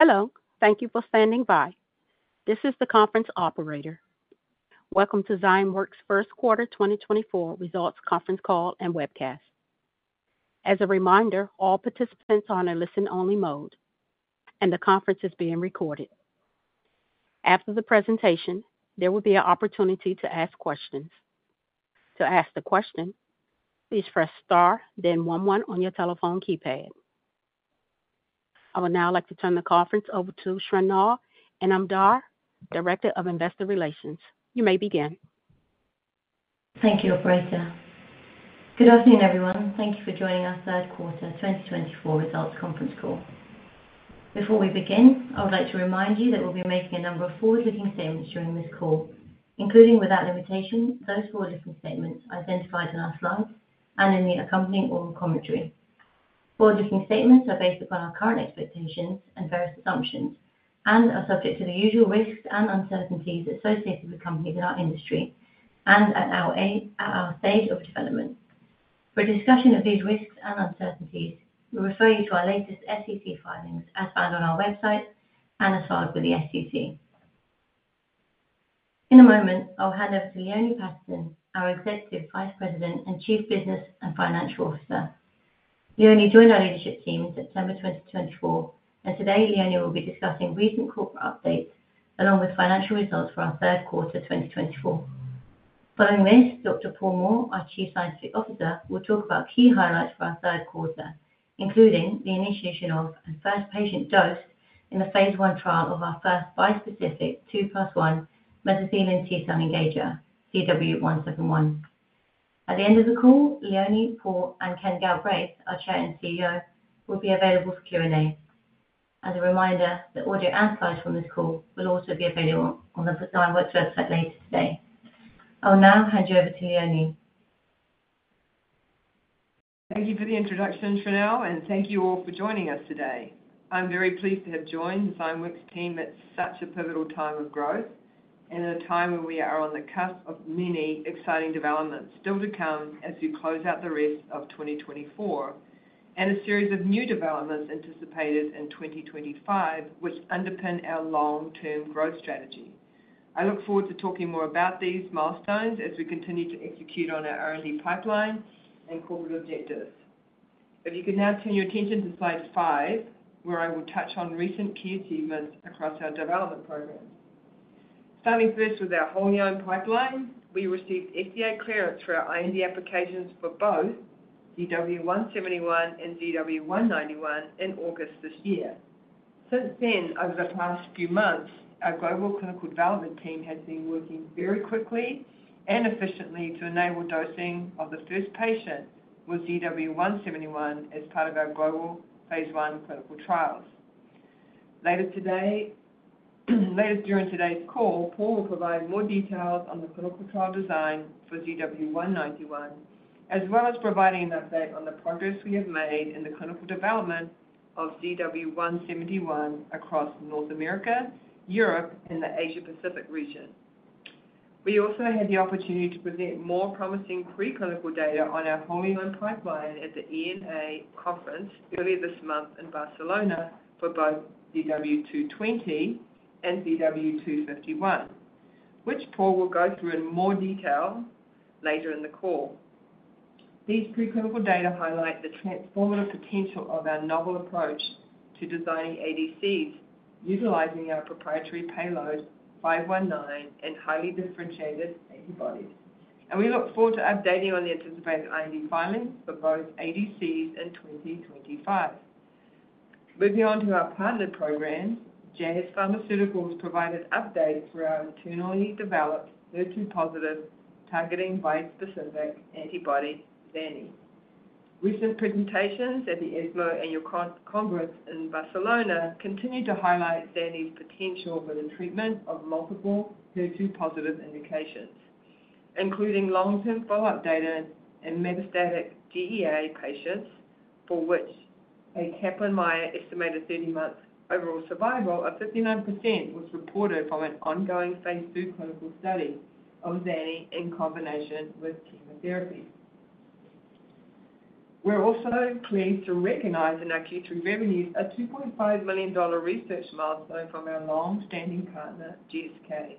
Hello. Thank you for standing by. This is the conference operator. Welcome to Zymeworks' Q1 2024 results conference call and webcast. As a reminder, all participants are on a listen-only mode, and the conference is being recorded. After the presentation, there will be an opportunity to ask questions. To ask a question, please press star, then one one on your telephone keypad. I would now like to turn the conference over to Shrinal Inamdar, Director of Investor Relations. You may begin. Thank you, Operator. Good afternoon, everyone. Thank you for joining our Q3 2024 results conference call. Before we begin, I would like to remind you that we'll be making a number of forward-looking statements during this call, including without limitation, those forward-looking statements identified in our slides and in the accompanying oral commentary. Forward-looking statements are based upon our current expectations and various assumptions and are subject to the usual risks and uncertainties associated with companies in our industry and at our stage of development. For a discussion of these risks and uncertainties, we refer you to our latest SEC filings as found on our website and as filed with the SEC. In a moment, I'll hand over to Leone Patterson, our Executive Vice President and Chief Business and Financial Officer. Leone joined our leadership team in September 2024, and today, Leone will be discussing recent corporate updates along with financial results for our Q3 2024. Following this, Dr. Paul Moore, our Chief Scientific Officer, will talk about key highlights for our Q3, including the initiation of a first patient dose in the phase one trial of our first bispecific 2+1 mesothelin T-cell engager, ZW171. At the end of the call, Leone, Paul, and Ken Galbraith, our Chair and CEO, will be available for Q&A. As a reminder, the audio and slides from this call will also be available on the Zymeworks website later today. I'll now hand you over to Leone. Thank you for the introduction, Shrinal, and thank you all for joining us today. I'm very pleased to have joined the Zymeworks team at such a pivotal time of growth and at a time where we are on the cusp of many exciting developments still to come as we close out the rest of 2024 and a series of new developments anticipated in 2025, which underpin our long-term growth strategy. I look forward to talking more about these milestones as we continue to execute on our R&D pipeline and corporate objectives. If you can now turn your attention to slide five, where I will touch on recent key achievements across our development program. Starting first with our wholly-owned pipeline, we received FDA clearance for our IND applications for both ZW171 and ZW191 in August this year. Since then, over the past few months, our global clinical development team has been working very quickly and efficiently to enable dosing of the first patient with ZW171 as part of our global phase one clinical trials. Later during today's call, Paul will provide more details on the clinical trial design for ZW191, as well as providing an update on the progress we have made in the clinical development of ZW171 across North America, Europe, and the Asia-Pacific region. We also had the opportunity to present more promising preclinical data on our wholly-owned pipeline at the ENA conference earlier this month in Barcelona for both ZW220 and ZW251, which Paul will go through in more detail later in the call. These preclinical data highlight the transformative potential of our novel approach to designing ADCs utilizing our proprietary payload 519 and highly differentiated antibodies. We look forward to updating on the anticipated IND filings for both ADC in 2025. Moving on to our partner programs, Jazz Pharmaceuticals provided updates for our internally developed HER2-positive targeting bispecific antibody, zanidatamab. Recent presentations at the ESMO annual conference in Barcelona continue to highlight zanidatamab's potential for the treatment of multiple HER2-positive indications, including long-term follow-up data in metastatic BTC patients, for which a Kaplan-Meier estimated 30-month overall survival of 59% was reported from an ongoing phase two clinical study of zanidatamab in combination with chemotherapy. We're also pleased to recognize in our Q3 revenues a $2.5 million research milestone from our long-standing partner, GSK.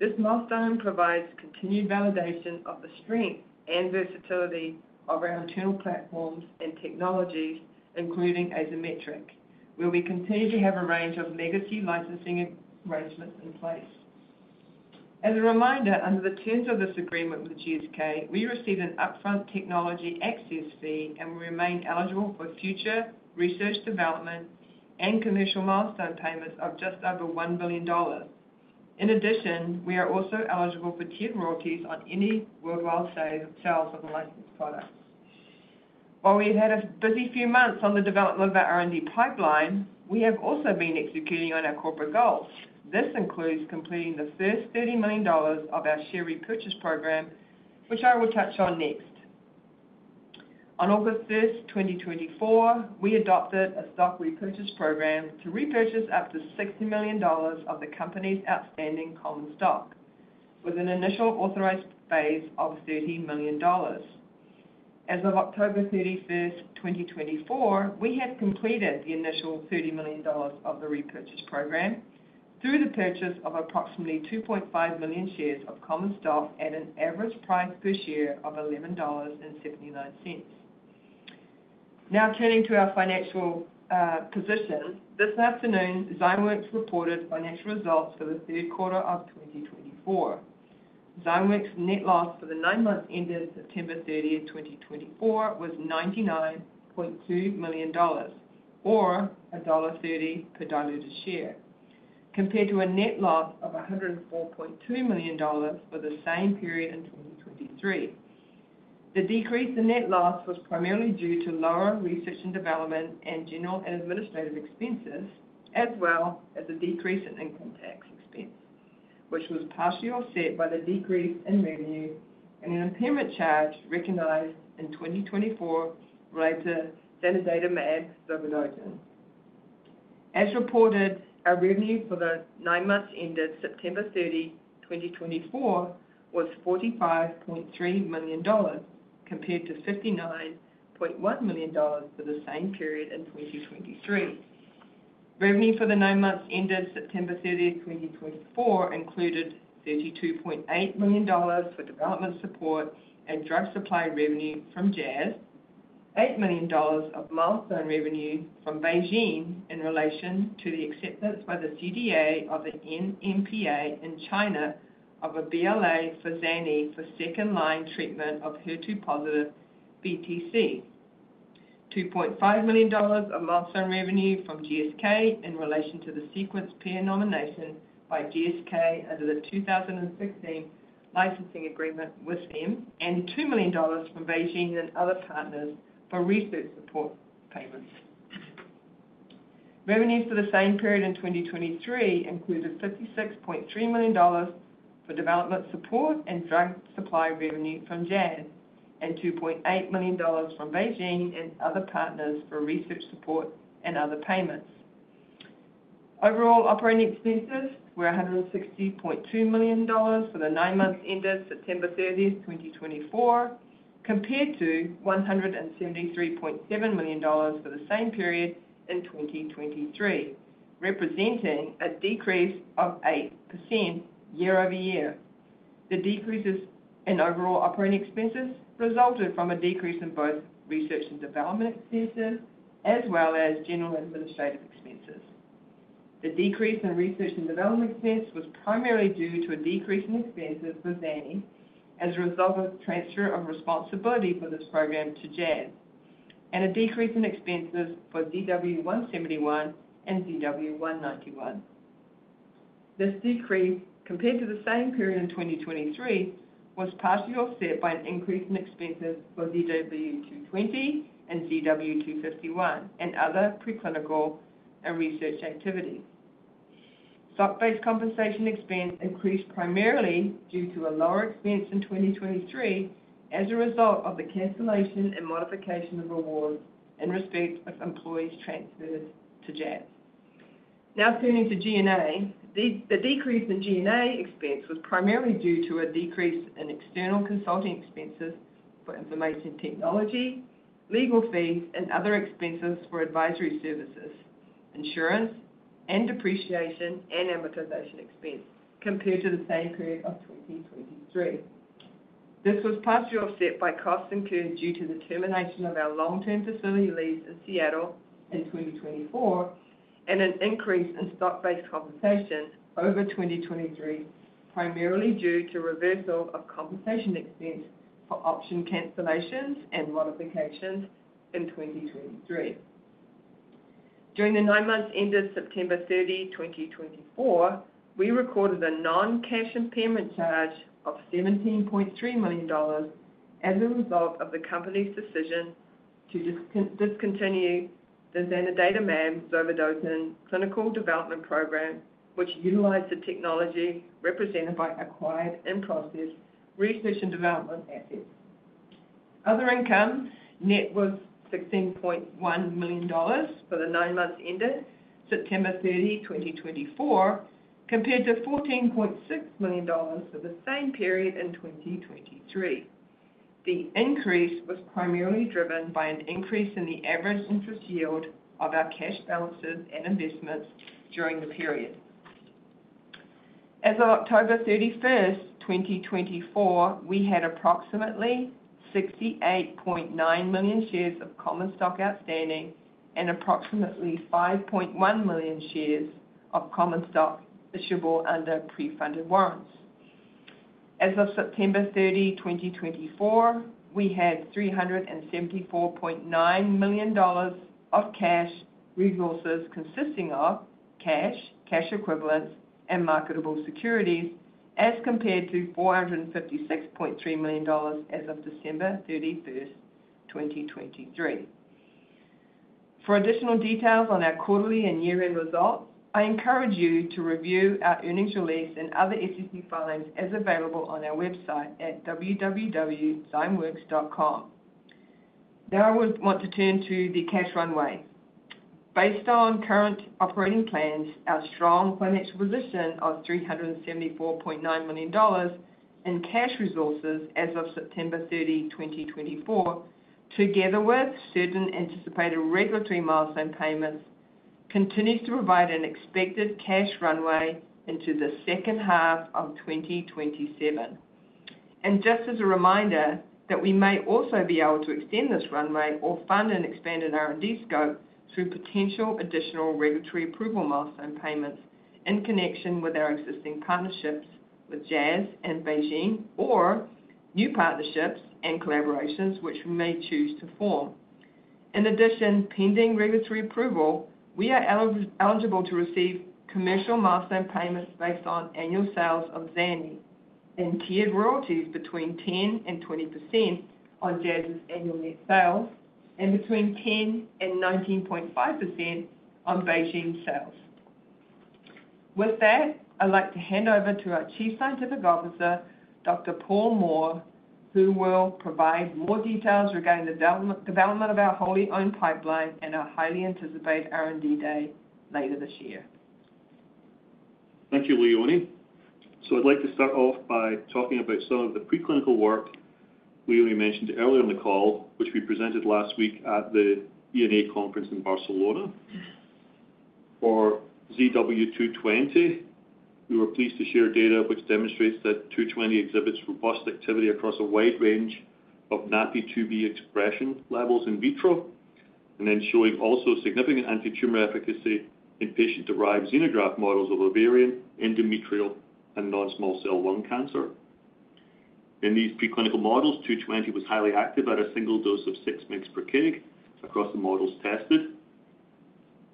This milestone provides continued validation of the strength and versatility of our internal platforms and technologies, including Azymetric, where we continue to have a range of legacy licensing arrangements in place. As a reminder, under the terms of this agreement with GSK, we receive an upfront technology access fee and will remain eligible for future research development and commercial milestone payments of just over $1 billion. In addition, we are also eligible for tiered royalties on any worldwide sales of the licensed products. While we've had a busy few months on the development of our R&D pipeline, we have also been executing on our corporate goals. This includes completing the first $30 million of our share repurchase program, which I will touch on next. On August 1st, 2024, we adopted a stock repurchase program to repurchase up to $60 million of the company's outstanding common stock, with an initial authorized phase of $30 million. As of October 31st, 2024, we have completed the initial $30 million of the repurchase program through the purchase of approximately $2.5 million shares of common stock at an average price per share of $11.79. Now, turning to our financial position, this afternoon, Zymeworks reported financial results for the Q3 of 2024. Zymeworks' net loss for the nine months ended September 30th, 2024, was $99.2 million, or $1.30 per diluted share, compared to a net loss of $104.2 million for the same period in 2023. The decrease in net loss was primarily due to lower research and development and general and administrative expenses, as well as a decrease in income tax expense, which was partially offset by the decrease in revenue and an impairment charge recognized in 2024 related to zanidatamab sub-licensing. As reported, our revenue for the nine months ended September 30, 2024, was $45.3 million, compared to $59.1 million for the same period in 2023. Revenue for the nine months ended September 30th, 2024, included $32.8 million for development support and drug supply revenue from Jazz, $8 million of milestone revenue from BeiGene in relation to the acceptance by the CDE of the NMPA in China of a BLA for zanidatamab for second-line treatment of HER2-positive BTC, $2.5 million of milestone revenue from GSK in relation to the sequence peer nomination by GSK under the 2016 licensing agreement with them, and $2 million from BeiGene and other partners for research support payments. Revenues for the same period in 2023 included $56.3 million for development support and drug supply revenue from Jazz and $2.8 million from BeiGene and other partners for research support and other payments. Overall operating expenses were $160.2 million for the nine months ended September 30th, 2024, compared to $173.7 million for the same period in 2023, representing a decrease of 8% year-over-year. The decreases in overall operating expenses resulted from a decrease in both research and development expenses as well as general and administrative expenses. The decrease in research and development expenses was primarily due to a decrease in expenses for zanidatamab as a result of the transfer of responsibility for this program to Jazz Pharmaceuticals, and a decrease in expenses for ZW171 and ZW191. This decrease, compared to the same period in 2023, was partially offset by an increase in expenses for ZW220 and ZW251 and other preclinical and research activities. Stock-based compensation expense increased primarily due to a lower expense in 2023 as a result of the cancellation and modification of rewards in respect of employees transferred to Jazz Pharmaceuticals. Now, turning to G&A, the decrease in G&A expense was primarily due to a decrease in external consulting expenses for information technology, legal fees, and other expenses for advisory services, insurance, and depreciation and amortization expense compared to the same period of 2023. This was partially offset by costs incurred due to the termination of our long-term facility lease in Seattle in 2024 and an increase in stock-based compensation over 2023, primarily due to reversal of compensation expense for option cancellations and modifications in 2023. During the nine months ended September 30, 2024, we recorded a non-cash impairment charge of $17.3 million as a result of the company's decision to discontinue the zanidatamab subcutaneous clinical development program, which utilized the technology represented by acquired in-process research and development assets. Other income net was $16.1 million for the nine months ended September 30, 2024, compared to $14.6 million for the same period in 2023. The increase was primarily driven by an increase in the average interest yield of our cash balances and investments during the period. As of October 31st, 2024, we had approximately $68.9 million shares of common stock outstanding and approximately $5.1 million shares of common stock issuable under pre-funded warrants. As of September 30, 2024, we had $374.9 million of cash resources consisting of cash, cash equivalents, and marketable securities as compared to $456.3 million as of December 31st, 2023. For additional details on our quarterly and year-end results, I encourage you to review our earnings release and other SEC filings as available on our website at www.zymeworks.com. Now, I would want to turn to the cash runway. Based on current operating plans, our strong financial position of $374.9 million in cash resources as of September 30, 2024, together with certain anticipated regulatory milestone payments, continues to provide an expected cash runway into the second half of 2027, and just as a reminder that we may also be able to extend this runway or fund an expanded R&D scope through potential additional regulatory approval milestone payments in connection with our existing partnerships with Jazz and BeiGene, or new partnerships and collaborations which we may choose to form. In addition, pending regulatory approval, we are eligible to receive commercial milestone payments based on annual sales of zanidatamab and tiered royalties between 10% and 20% on Jazz's annual net sales and between 10% and 19.5% on BeiGene sales. With that, I'd like to hand over to our Chief Scientific Officer, Dr. Paul Moore, who will provide more details regarding the development of our wholly-owned pipeline and our highly anticipated R&D day later this year. Thank you, Leone. So I'd like to start off by talking about some of the preclinical work Leone mentioned earlier in the call, which we presented last week at the ENA conference in Barcelona. For ZW220, we were pleased to share data which demonstrates that ZW220 exhibits robust activity across a wide range of NaPi2b expression levels in vitro, and then showing also significant anti-tumor efficacy in patient-derived xenograft models of ovarian, endometrial, and non-small cell lung cancer. In these preclinical models, ZW220 was highly active at a single dose of 6 mg/kg across the models tested.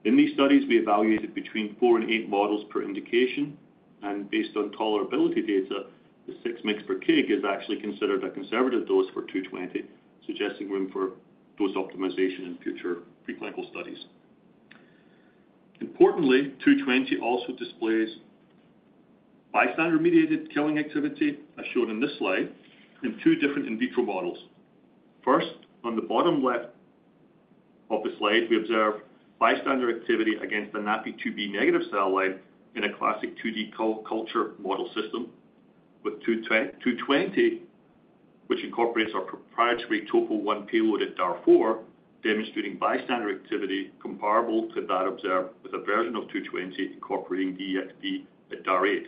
In these studies, we evaluated between four and eight models per indication, and based on tolerability data, the 6 mg/kg is actually considered a conservative dose for ZW220, suggesting room for dose optimization in future preclinical studies. Importantly, ZW220 also displays bystander-mediated killing activity, as shown in this slide, in two different in vitro models. First, on the bottom left of the slide, we observe bystander activity against the NaPi2b negative cell line in a classic 2D culture model system with ZW220, which incorporates our proprietary Topo 1 payload at DAR4, demonstrating bystander activity comparable to that observed with a version of ZW220 incorporating DXd at DAR8.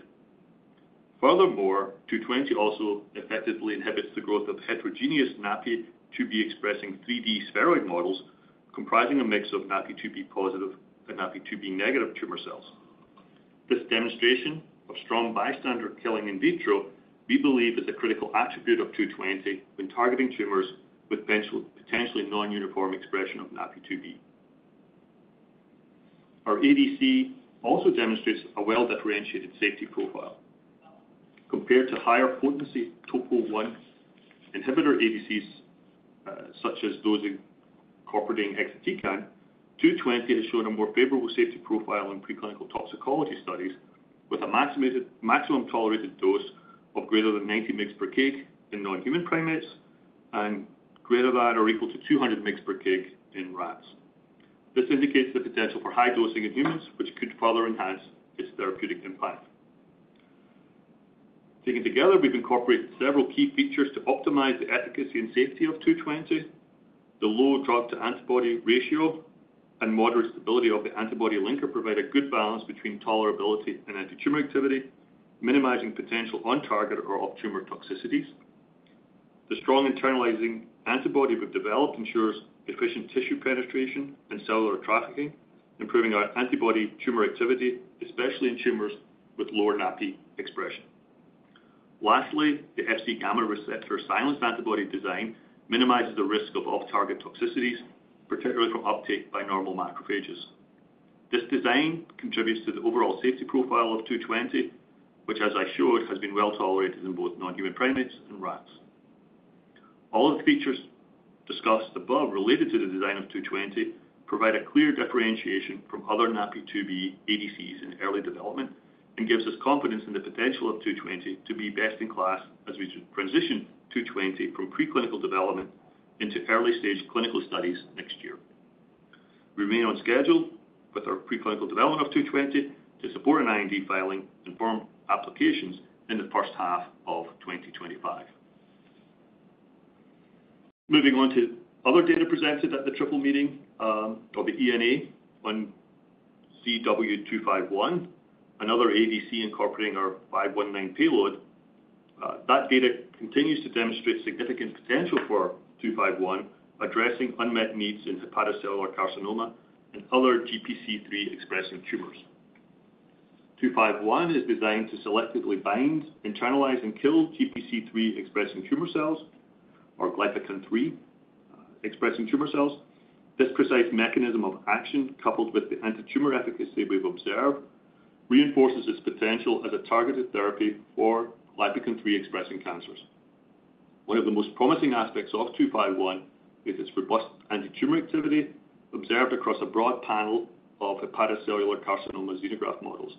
Furthermore, ZW220 also effectively inhibits the growth of heterogeneous NaPi2b expressing 3D spheroid models comprising a mix of NaPi2b positive and NaPi2b negative tumor cells. This demonstration of strong bystander killing in vitro, we believe, is a critical attribute of ZW220 when targeting tumors with potentially non-uniform expression of NaPi2b. Our ADC also demonstrates a well-differentiated safety profile. Compared to higher potency Topo 1 inhibitor ADCs such as those incorporating exatecan, ZW220 has shown a more favorable safety profile in preclinical toxicology studies with a maximum tolerated dose of greater than 90 mg/kg in non-human primates and greater than or equal to 200 mg/kg in rats. This indicates the potential for high dosing in humans, which could further enhance its therapeutic impact. Taken together, we've incorporated several key features to optimize the efficacy and safety of ZW220. The low drug-to-antibody ratio and moderate stability of the antibody linker provide a good balance between tolerability and anti-tumor activity, minimizing potential on-target or off-tumor toxicities. The strong internalizing antibody we've developed ensures efficient tissue penetration and cellular trafficking, improving our antibody tumor activity, especially in tumors with lower NaPi2b expression. Lastly, the Fc gamma receptor silenced antibody design minimizes the risk of off-target toxicities, particularly for uptake by normal macrophages. This design contributes to the overall safety profile of ZW220, which, as I showed, has been well tolerated in both non-human primates and rats. All of the features discussed above related to the design of ZW220 provide a clear differentiation from other NaPi2b ADCs in early development and gives us confidence in the potential of ZW220 to be best in class as we transition ZW220 from preclinical development into early-stage clinical studies next year. We remain on schedule with our preclinical development of ZW220 to support an IND filing and foreign applications in the first half of 2025. Moving on to other data presented at the triple meeting of the ENA on ZW251, another ADC incorporating our 519 payload, that data continues to demonstrate significant potential for ZW251 addressing unmet needs in hepatocellular carcinoma and other GPC3 expressing tumors. ZW251 is designed to selectively bind, internalize, and kill GPC3 expressing tumor cells or Glypican-3 expressing tumor cells. This precise mechanism of action, coupled with the anti-tumor efficacy we've observed, reinforces its potential as a targeted therapy for Glypican-3 expressing cancers. One of the most promising aspects of ZW251 is its robust anti-tumor activity observed across a broad panel of hepatocellular carcinoma xenograft models,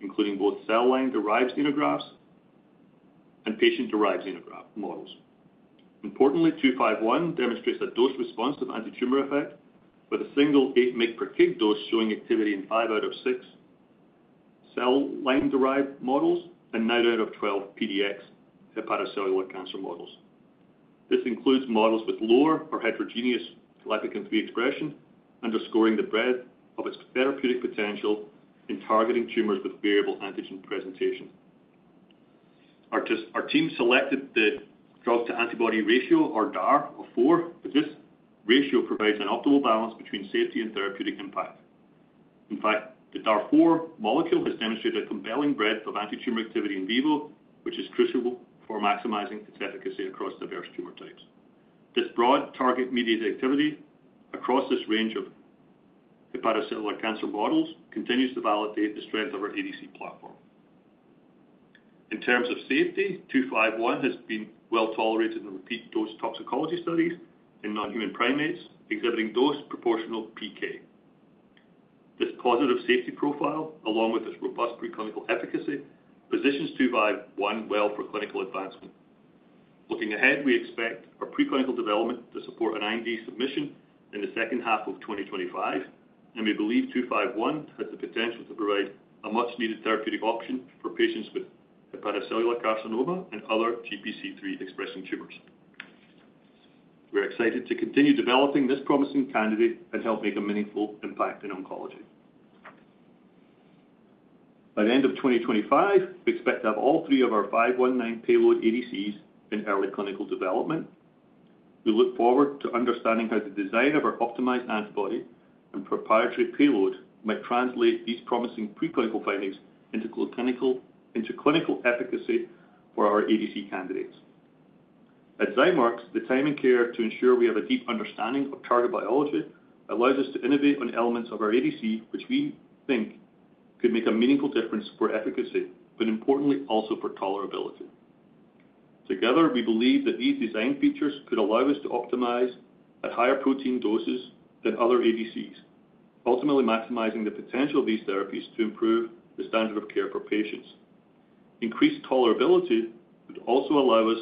including both cell line-derived xenografts and patient-derived xenograft models. Importantly, ZW251 demonstrates a dose-responsive anti-tumor effect with a single 8 mg per kg dose showing activity in five out of six cell line-derived models and nine out of 12 PDX hepatocellular cancer models. This includes models with lower or heterogeneous Glypican-3 expression, underscoring the breadth of its therapeutic potential in targeting tumors with variable antigen presentation. Our team selected the drug-to-antibody ratio, or DAR4, for this ratio provides an optimal balance between safety and therapeutic impact. In fact, the DAR4 molecule has demonstrated a compelling breadth of anti-tumor activity in vivo, which is crucial for maximizing its efficacy across diverse tumor types. This broad target-mediated activity across this range of hepatocellular cancer models continues to validate the strength of our ADC platform. In terms of safety, ZW251 has been well tolerated in repeat dose toxicology studies in non-human primates, exhibiting dose-proportional PK. This positive safety profile, along with its robust preclinical efficacy, positions ZW251 well for clinical advancement. Looking ahead, we expect our preclinical development to support an IND submission in the second half of 2025, and we believe ZW251 has the potential to provide a much-needed therapeutic option for patients with hepatocellular carcinoma and other GPC3 expressing tumors. We're excited to continue developing this promising candidate and help make a meaningful impact in oncology. By the end of 2025, we expect to have all three of our 519 payload ADCs in early clinical development. We look forward to understanding how the design of our optimized antibody and proprietary payload might translate these promising preclinical findings into clinical efficacy for our ADC candidates. At Zymeworks, the time and care to ensure we have a deep understanding of target biology allows us to innovate on elements of our ADC, which we think could make a meaningful difference for efficacy, but importantly, also for tolerability. Together, we believe that these design features could allow us to optimize at higher protein doses than other ADCs, ultimately maximizing the potential of these therapies to improve the standard of care for patients. Increased tolerability would also allow us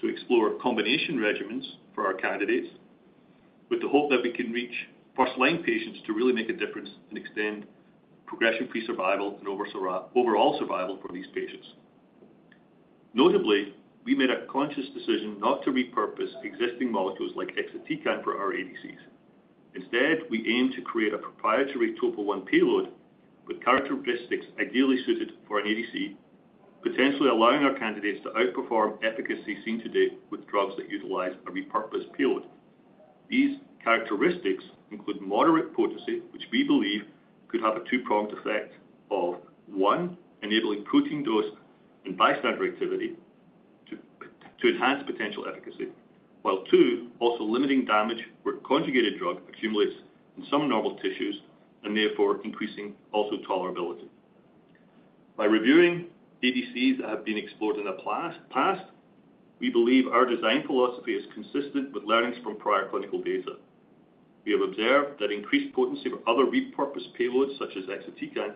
to explore combination regimens for our candidates with the hope that we can reach first-line patients to really make a difference and extend progression-free survival and overall survival for these patients. Notably, we made a conscious decision not to repurpose existing molecules like exatecan for our ADCs. Instead, we aim to create a proprietary Topo 1 payload with characteristics ideally suited for an ADC, potentially allowing our candidates to outperform efficacy seen today with drugs that utilize a repurposed payload. These characteristics include moderate potency, which we believe could have a two-pronged effect of, one, enabling protein dose and bystander activity to enhance potential efficacy, while, two, also limiting damage where conjugated drug accumulates in some normal tissues and therefore increasing also tolerability. By reviewing ADCs that have been explored in the past, we believe our design philosophy is consistent with learnings from prior clinical data. We have observed that increased potency of other repurposed payloads, such as exatecan,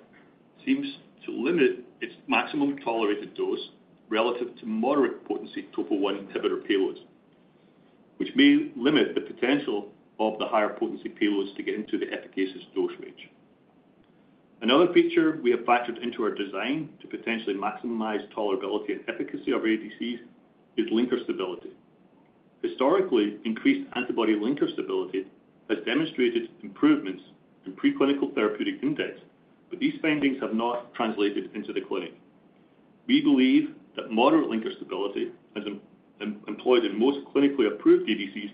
seems to limit its maximum tolerated dose relative to moderate potency Topo 1 inhibitor payloads, which may limit the potential of the higher potency payloads to get into the efficacious dose range. Another feature we have factored into our design to potentially maximize tolerability and efficacy of ADCs is linker stability. Historically, increased antibody linker stability has demonstrated improvements in preclinical therapeutic index, but these findings have not translated into the clinic. We believe that moderate linker stability, as employed in most clinically approved ADCs,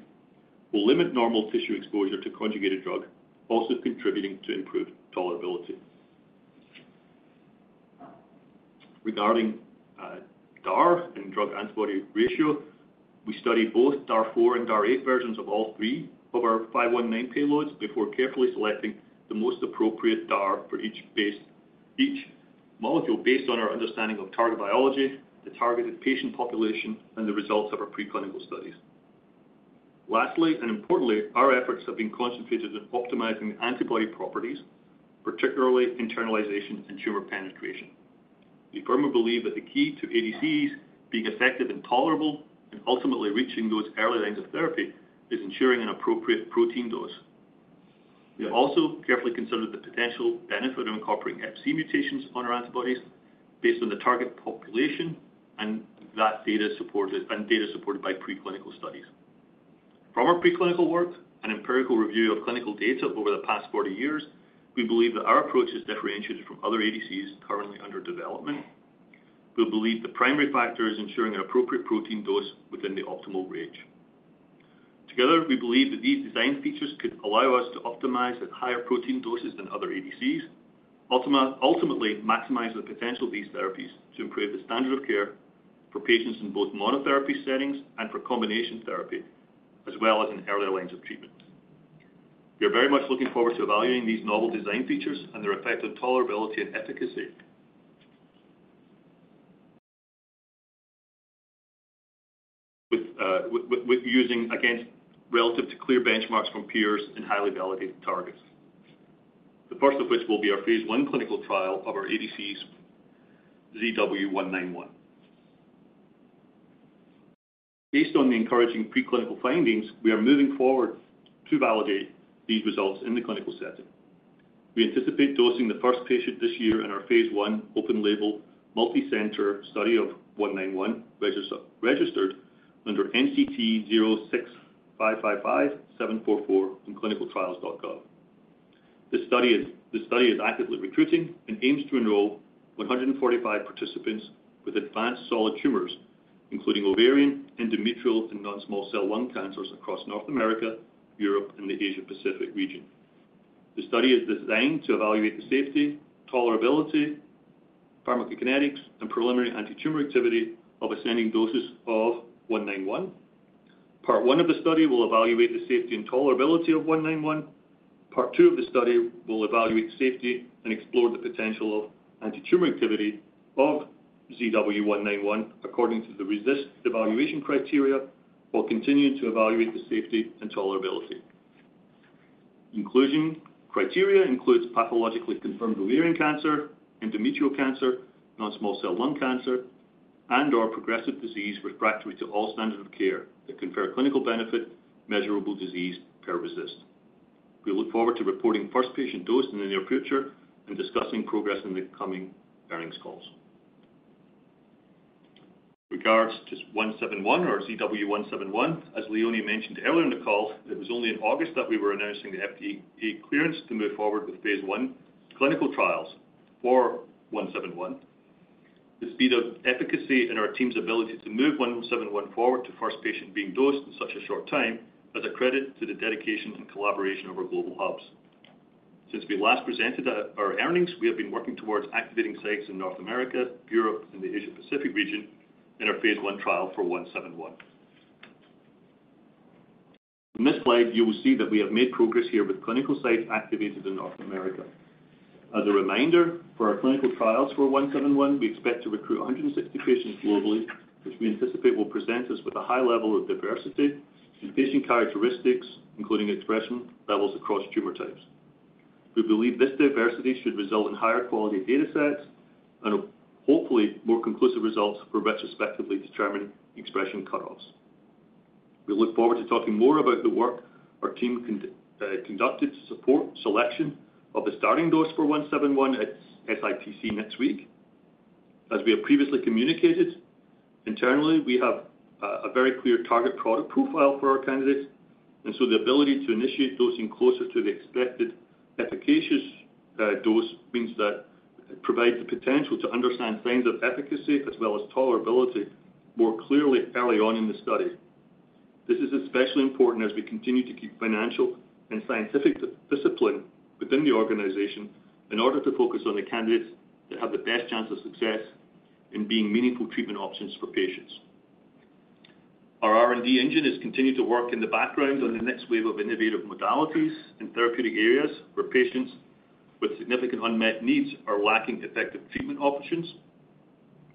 will limit normal tissue exposure to conjugated drug, also contributing to improved tolerability. Regarding DAR and drug-antibody ratio, we studied both DAR4 and DAR8 versions of all three of our 519 payloads before carefully selecting the most appropriate DAR for each molecule based on our understanding of target biology, the targeted patient population, and the results of our preclinical studies. Lastly, and importantly, our efforts have been concentrated on optimizing the antibody properties, particularly internalization and tumor penetration. We firmly believe that the key to ADCs being effective and tolerable and ultimately reaching those early lines of therapy is ensuring an appropriate protein dose. We also carefully considered the potential benefit of incorporating Fc mutations on our antibodies based on the target population and data supported by preclinical studies. From our preclinical work and empirical review of clinical data over the past 40 years, we believe that our approach is differentiated from other ADCs currently under development. We believe the primary factor is ensuring an appropriate protein dose within the optimal range. Together, we believe that these design features could allow us to optimize at higher protein doses than other ADCs, ultimately maximizing the potential of these therapies to improve the standard of care for patients in both monotherapy settings and for combination therapy, as well as in early lines of treatment. We are very much looking forward to evaluating these novel design features and their effect on tolerability and efficacy. With using against relative to clear benchmarks from peers and highly validated targets, the first of which will be our phase one clinical trial of our ADCs ZW191. Based on the encouraging preclinical findings, we are moving forward to validate these results in the clinical setting. We anticipate dosing the first patient this year in our phase one open-label multi-center study of ZW191 registered under NCT06555744 and clinicaltrials.gov. The study is actively recruiting and aims to enroll 145 participants with advanced solid tumors, including ovarian, endometrial, and non-small cell lung cancers across North America, Europe, and the Asia-Pacific region. The study is designed to evaluate the safety, tolerability, pharmacokinetics, and preliminary anti-tumor activity of ascending doses of ZW191. Part one of the study will evaluate the safety and tolerability of ZW191. Part two of the study will evaluate safety and explore the potential of anti-tumor activity of ZW191 according to the RECIST evaluation criteria, while continuing to evaluate the safety and tolerability. Inclusion criteria includes pathologically confirmed ovarian cancer, endometrial cancer, non-small cell lung cancer, and/or progressive disease refractory to all standards of care that confer clinical benefit, measurable disease per RECIST. We look forward to reporting first patient dose in the near future and discussing progress in the coming earnings calls. Regarding 171 or ZW171. As Leone mentioned earlier in the call, it was only in August that we were announcing the FDA clearance to move forward with phase 1 clinical trials for ZW171. The speed of efficacy and our team's ability to move ZW171 forward to first patient being dosed in such a short time is a credit to the dedication and collaboration of our global hubs. Since we last presented our earnings, we have been working towards activating sites in North America, Europe, and the Asia-Pacific region in our phase 1 trial for ZW171. In this slide, you will see that we have made progress here with clinical sites activated in North America. As a reminder, for our clinical trials for ZW171, we expect to recruit 160 patients globally, which we anticipate will present us with a high level of diversity in patient characteristics, including expression levels across tumor types. We believe this diversity should result in higher quality data sets and hopefully more conclusive results for retrospectively determined expression cutoffs. We look forward to talking more about the work our team conducted to support selection of the starting dose for ZW171 at SITC next week. As we have previously communicated, internally, we have a very clear target product profile for our candidates, and so the ability to initiate dosing closer to the expected efficacious dose means that it provides the potential to understand signs of efficacy as well as tolerability more clearly early on in the study. This is especially important as we continue to keep financial and scientific discipline within the organization in order to focus on the candidates that have the best chance of success in being meaningful treatment options for patients. Our R&D engine is continuing to work in the background on the next wave of innovative modalities in therapeutic areas where patients with significant unmet needs are lacking effective treatment options.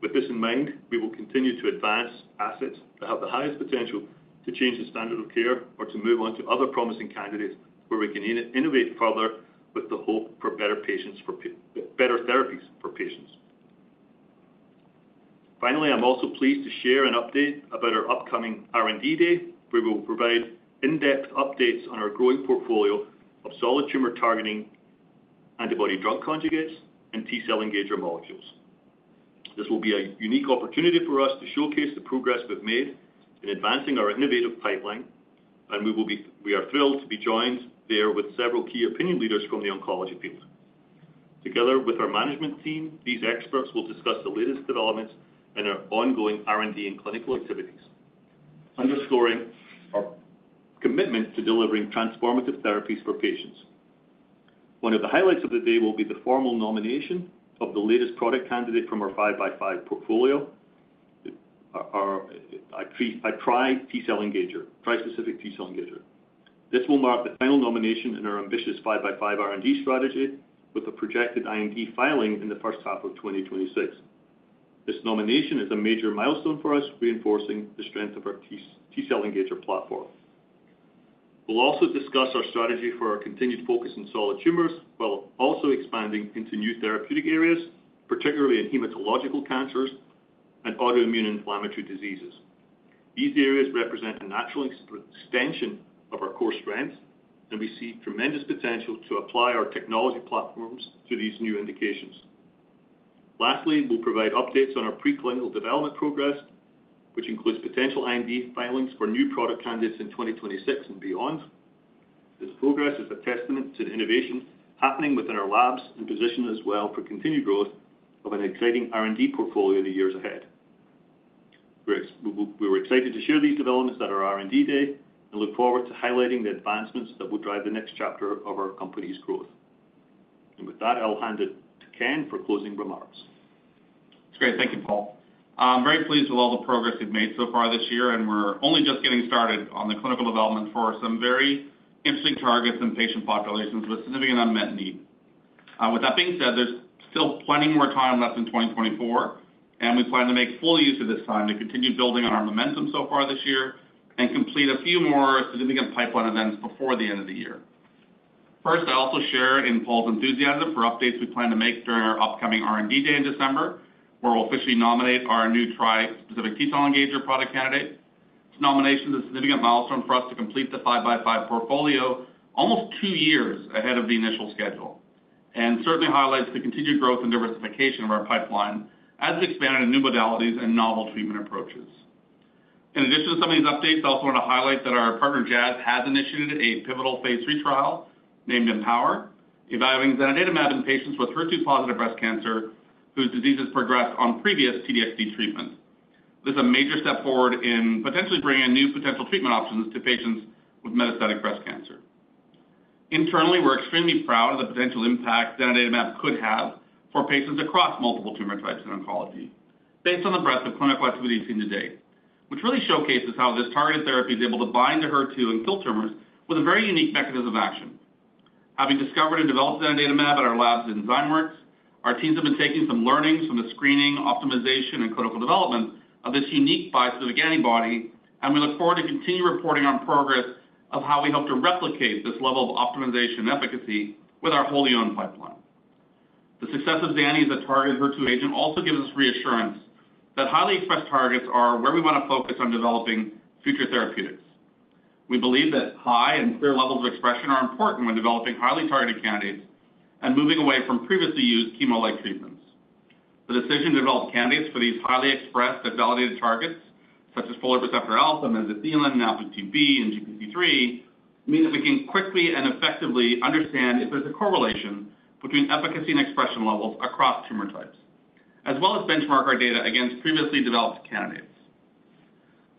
With this in mind, we will continue to advance assets that have the highest potential to change the standard of care or to move on to other promising candidates where we can innovate further with the hope for better therapies for patients. Finally, I'm also pleased to share an update about our upcoming R&D day, where we will provide in-depth updates on our growing portfolio of solid tumor targeting antibody drug conjugates and T-cell engager molecules. This will be a unique opportunity for us to showcase the progress we've made in advancing our innovative pipeline, and we are thrilled to be joined there with several key opinion leaders from the oncology field. Together with our management team, these experts will discuss the latest developments in our ongoing R&D and clinical activities, underscoring our commitment to delivering transformative therapies for patients. One of the highlights of the day will be the formal nomination of the latest product candidate from our 5x5 Portfolio, our T-cell engager, trispecific T-cell engager. This will mark the final nomination in our ambitious 5x5 R&D strategy with a projected IND filing in the first half of 2026. This nomination is a major milestone for us, reinforcing the strength of our T-cell engager platform. We'll also discuss our strategy for our continued focus on solid tumors, while also expanding into new therapeutic areas, particularly in hematological cancers and autoimmune inflammatory diseases. These areas represent a natural extension of our core strengths, and we see tremendous potential to apply our technology platforms to these new indications. Lastly, we'll provide updates on our preclinical development progress, which includes potential IND filings for new product candidates in 2026 and beyond. This progress is a testament to the innovation happening within our labs and position as well for continued growth of an exciting R&D portfolio in the years ahead. We were excited to share these developments at our R&D day and look forward to highlighting the advancements that will drive the next chapter of our company's growth. And with that, I'll hand it to Ken for closing remarks. That's great. Thank you, Paul. I'm very pleased with all the progress we've made so far this year, and we're only just getting started on the clinical development for some very interesting targets and patient populations with significant unmet need. With that being said, there's still plenty more time left in 2024, and we plan to make full use of this time to continue building on our momentum so far this year and complete a few more significant pipeline events before the end of the year. First, I'll also share in Paul's enthusiasm for updates we plan to make during our upcoming R&D day in December, where we'll officially nominate our new T-cell engager product candidate. This nomination is a significant milestone for us to complete the 5x5 portfolio almost two years ahead of the initial schedule and certainly highlights the continued growth and diversification of our pipeline as we expand into new modalities and novel treatment approaches. In addition to some of these updates, I also want to highlight that our partner Jazz has initiated a pivotal phase 3 trial named EmpowHER, evaluating zanidatamab in patients with HER2-positive breast cancer whose disease has progressed on previous TDXd treatment. This is a major step forward in potentially bringing new potential treatment options to patients with metastatic breast cancer. Internally, we're extremely proud of the potential impact zanidatamab could have for patients across multiple tumor types in oncology, based on the breadth of clinical activity seen today, which really showcases how this targeted therapy is able to bind to HER2 and kill tumors with a very unique mechanism of action. Having discovered and developed zanidatamab at our labs in Zymeworks, our teams have been taking some learnings from the screening, optimization, and clinical development of this unique bispecific antibody, and we look forward to continuing reporting on progress of how we hope to replicate this level of optimization efficacy with our wholly-owned pipeline. The success of zanidatamab as a targeted HER2 agent also gives us reassurance that highly expressed targets are where we want to focus on developing future therapeutics. We believe that high and clear levels of expression are important when developing highly targeted candidates and moving away from previously used chemo-like treatments. The decision to develop candidates for these highly expressed and validated targets, such as folate receptor alpha and mesothelin, and NaPi2b and GPC3, means that we can quickly and effectively understand if there's a correlation between efficacy and expression levels across tumor types, as well as benchmark our data against previously developed candidates.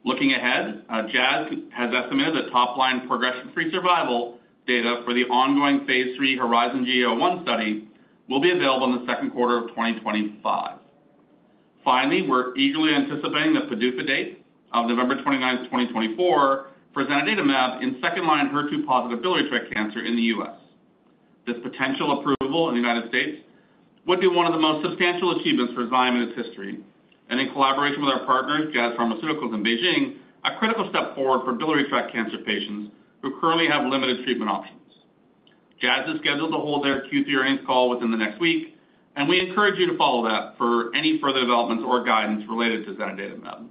Looking ahead, Jazz has estimated that top-line progression-free survival data for the ongoing phase three HERIZON-GEA-01 study will be available in the Q2 of 2025. Finally, we're eagerly anticipating the PDUFA date of November 29, 2024, for zanidatamab in second-line HER2-positive biliary tract cancer in the U.S. This potential approval in the United States would be one of the most substantial achievements for Zymeworks in its history, and in collaboration with our partners, Jazz Pharmaceuticals and BeiGene, a critical step forward for biliary tract cancer patients who currently have limited treatment options. Jazz is scheduled to hold their Q3 earnings call within the next week, and we encourage you to follow that for any further developments or guidance related to zanidatamab.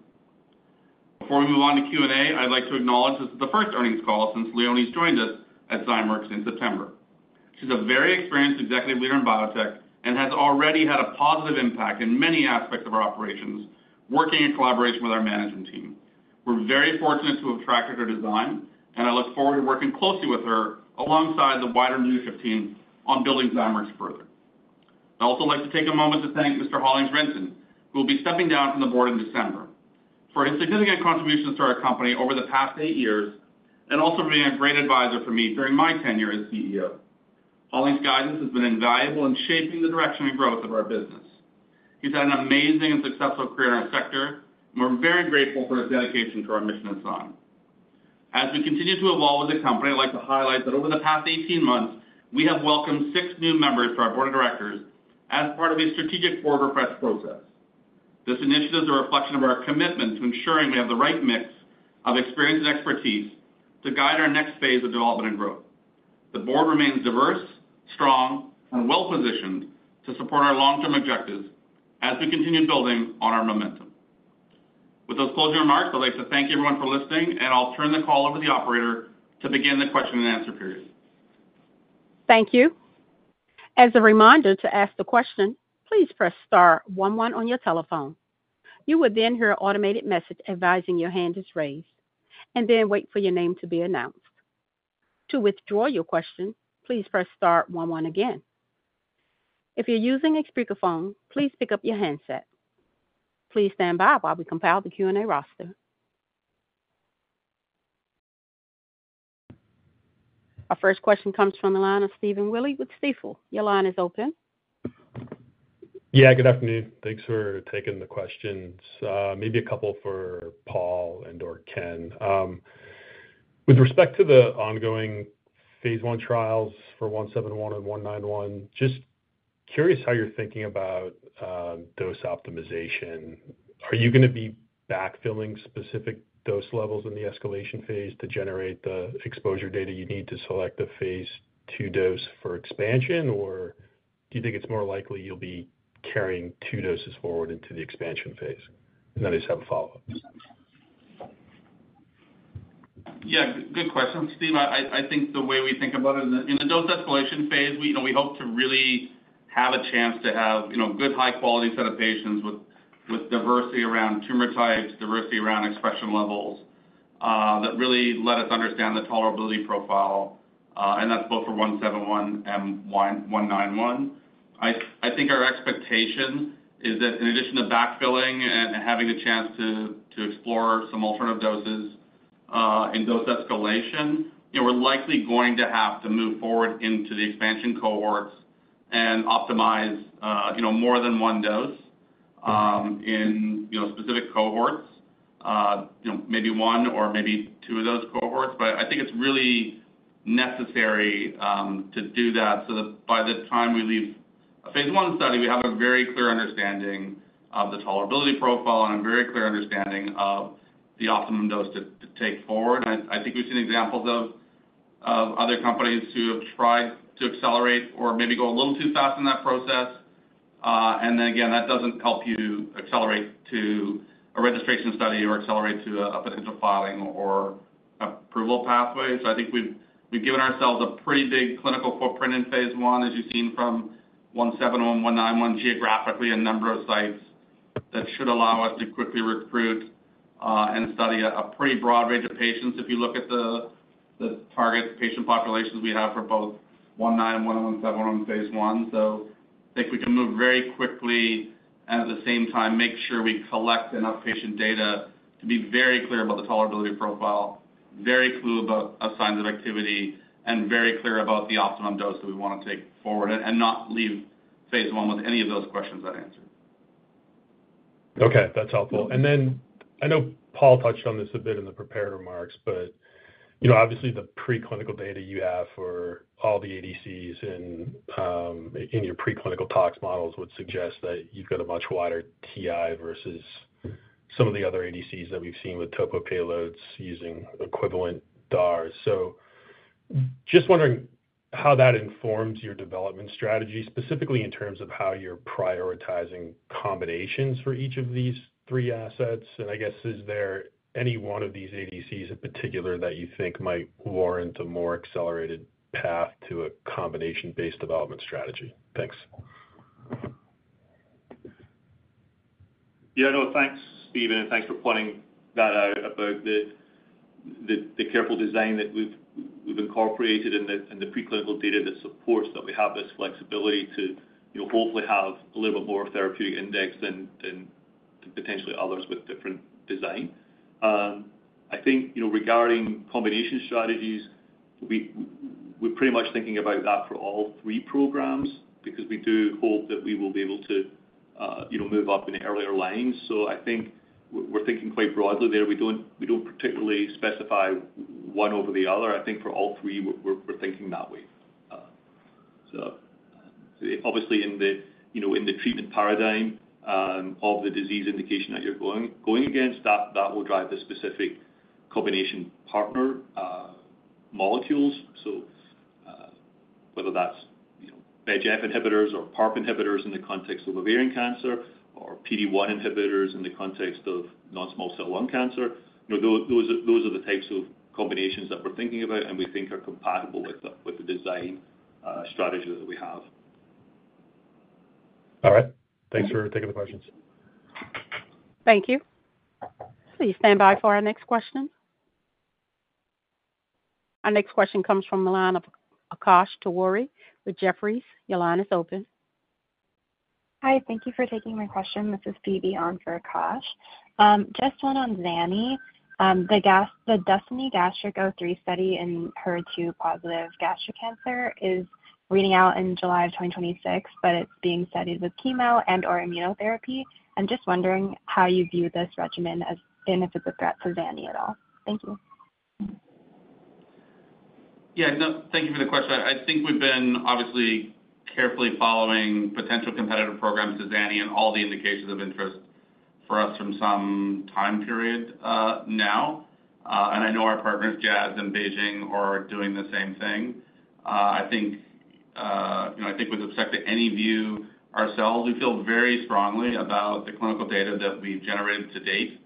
Before we move on to Q&A, I'd like to acknowledge this is the first earnings call since Leone's joined us at Zymeworks in September. She's a very experienced executive leader in biotech and has already had a positive impact in many aspects of our operations, working in collaboration with our management team. We're very fortunate to have attracted her to Zyme, and I look forward to working closely with her alongside the wider leadership team on building Zymeworks further. I'd also like to take a moment to thank Mr. Hollings Renton, who will be stepping down from the board in December, for his significant contributions to our company over the past eight years and also for being a great advisor for me during my tenure as CEO. Hollings' guidance has been invaluable in shaping the direction and growth of our business. He's had an amazing and successful career in our sector, and we're very grateful for his dedication to our mission at Zyme. As we continue to evolve as a company, I'd like to highlight that over the past 18 months, we have welcomed six new members to our board of directors as part of a strategic board refresh process. This initiative is a reflection of our commitment to ensuring we have the right mix of experience and expertise to guide our next phase of development and growth. The board remains diverse, strong, and well-positioned to support our long-term objectives as we continue building on our momentum. With those closing remarks, I'd like to thank everyone for listening, and I'll turn the call over to the operator to begin the question and answer period. Thank you. As a reminder to ask the question, please press star one one on your telephone. You will then hear an automated message advising your hand is raised, and then wait for your name to be announced. To withdraw your question, please press star one one again. If you're using a speakerphone, please pick up your handset. Please stand by while we compile the Q&A roster. Our first question comes from the line of Stephen Willey with Stifel. Your line is open. Yeah, good afternoon. Thanks for taking the questions. Maybe a couple for Paul and/or Ken. With respect to the ongoing phase one trials for ZW171 and ZW191, just curious how you're thinking about dose optimization. Are you going to be backfilling specific dose levels in the escalation phase to generate the exposure data you need to select a phase two dose for expansion, or do you think it's more likely you'll be carrying two doses forward into the expansion phase? And then I just have a follow-up. Yeah, good question. Stephen, I think the way we think about it is in the dose escalation phase, we hope to really have a chance to have a good, high-quality set of patients with diversity around tumor types, diversity around expression levels that really let us understand the tolerability profile, and that's both for ZW171 and ZW191. I think our expectation is that in addition to backfilling and having a chance to explore some alternative doses in dose escalation, we're likely going to have to move forward into the expansion cohorts and optimize more than one dose in specific cohorts, maybe one or maybe two of those cohorts. But I think it's really necessary to do that so that by the time we leave a phase one study, we have a very clear understanding of the tolerability profile and a very clear understanding of the optimum dose to take forward. I think we've seen examples of other companies who have tried to accelerate or maybe go a little too fast in that process. And then again, that doesn't help you accelerate to a registration study or accelerate to a potential filing or approval pathway. So I think we've given ourselves a pretty big clinical footprint in phase 1, as you've seen from ZW171, ZW191 geographically and a number of sites that should allow us to quickly recruit and study a pretty broad range of patients if you look at the target patient populations we have for both ZW191 and ZW171 phase 1. So I think we can move very quickly and at the same time make sure we collect enough patient data to be very clear about the tolerability profile, very clear about signs of activity, and very clear about the optimum dose that we want to take forward and not leave phase 1 with any of those questions unanswered. Okay, that's helpful. And then I know Paul touched on this a bit in the prepared remarks, but obviously the preclinical data you have for all the ADCs in your preclinical tox models would suggest that you've got a much wider TI versus some of the other ADCs that we've seen with topo payloads using equivalent DARs. So just wondering how that informs your development strategy, specifically in terms of how you're prioritizing combinations for each of these three assets. And I guess, is there any one of these ADCs in particular that you think might warrant a more accelerated path to a combination-based development strategy? Thanks. Yeah, no, thanks, Stephen, and thanks for pointing that out about the careful design that we've incorporated and the preclinical data that supports that we have this flexibility to hopefully have a little bit more therapeutic index than potentially others with different design. I think regarding combination strategies, we're pretty much thinking about that for all three programs because we do hope that we will be able to move up in the earlier lines. So I think we're thinking quite broadly there. We don't particularly specify one over the other. I think for all three, we're thinking that way. So obviously, in the treatment paradigm of the disease indication that you're going against, that will drive the specific combination partner molecules. So whether that's BRAF inhibitors or PARP inhibitors in the context of ovarian cancer or PD1 inhibitors in the context of non-small cell lung cancer, those are the types of combinations that we're thinking about and we think are compatible with the design strategy that we have. All right. Thanks for taking the questions. Thank you. Please stand by for our next question. Our next question comes from the line of Akash Tewari with Jefferies. Your line is open. Hi, thank you for taking my question. This is Phoebe on for Akash. Just one on Zani. The DESTINY-Gastric03 study in HER2-positive gastric cancer is reading out in July of 2026, but it's being studied with chemo and/or immunotherapy. I'm just wondering how you view this regimen and if it's a threat to Zani at all. Thank you. Yeah, thank you for the question. I think we've been obviously carefully following potential competitive programs to Zani and all the indications of interest for us from some time period now. And I know our partners, Jazz and BeiGene, are doing the same thing. I think with respect to how we view ourselves, we feel very strongly about the clinical data that we've generated to date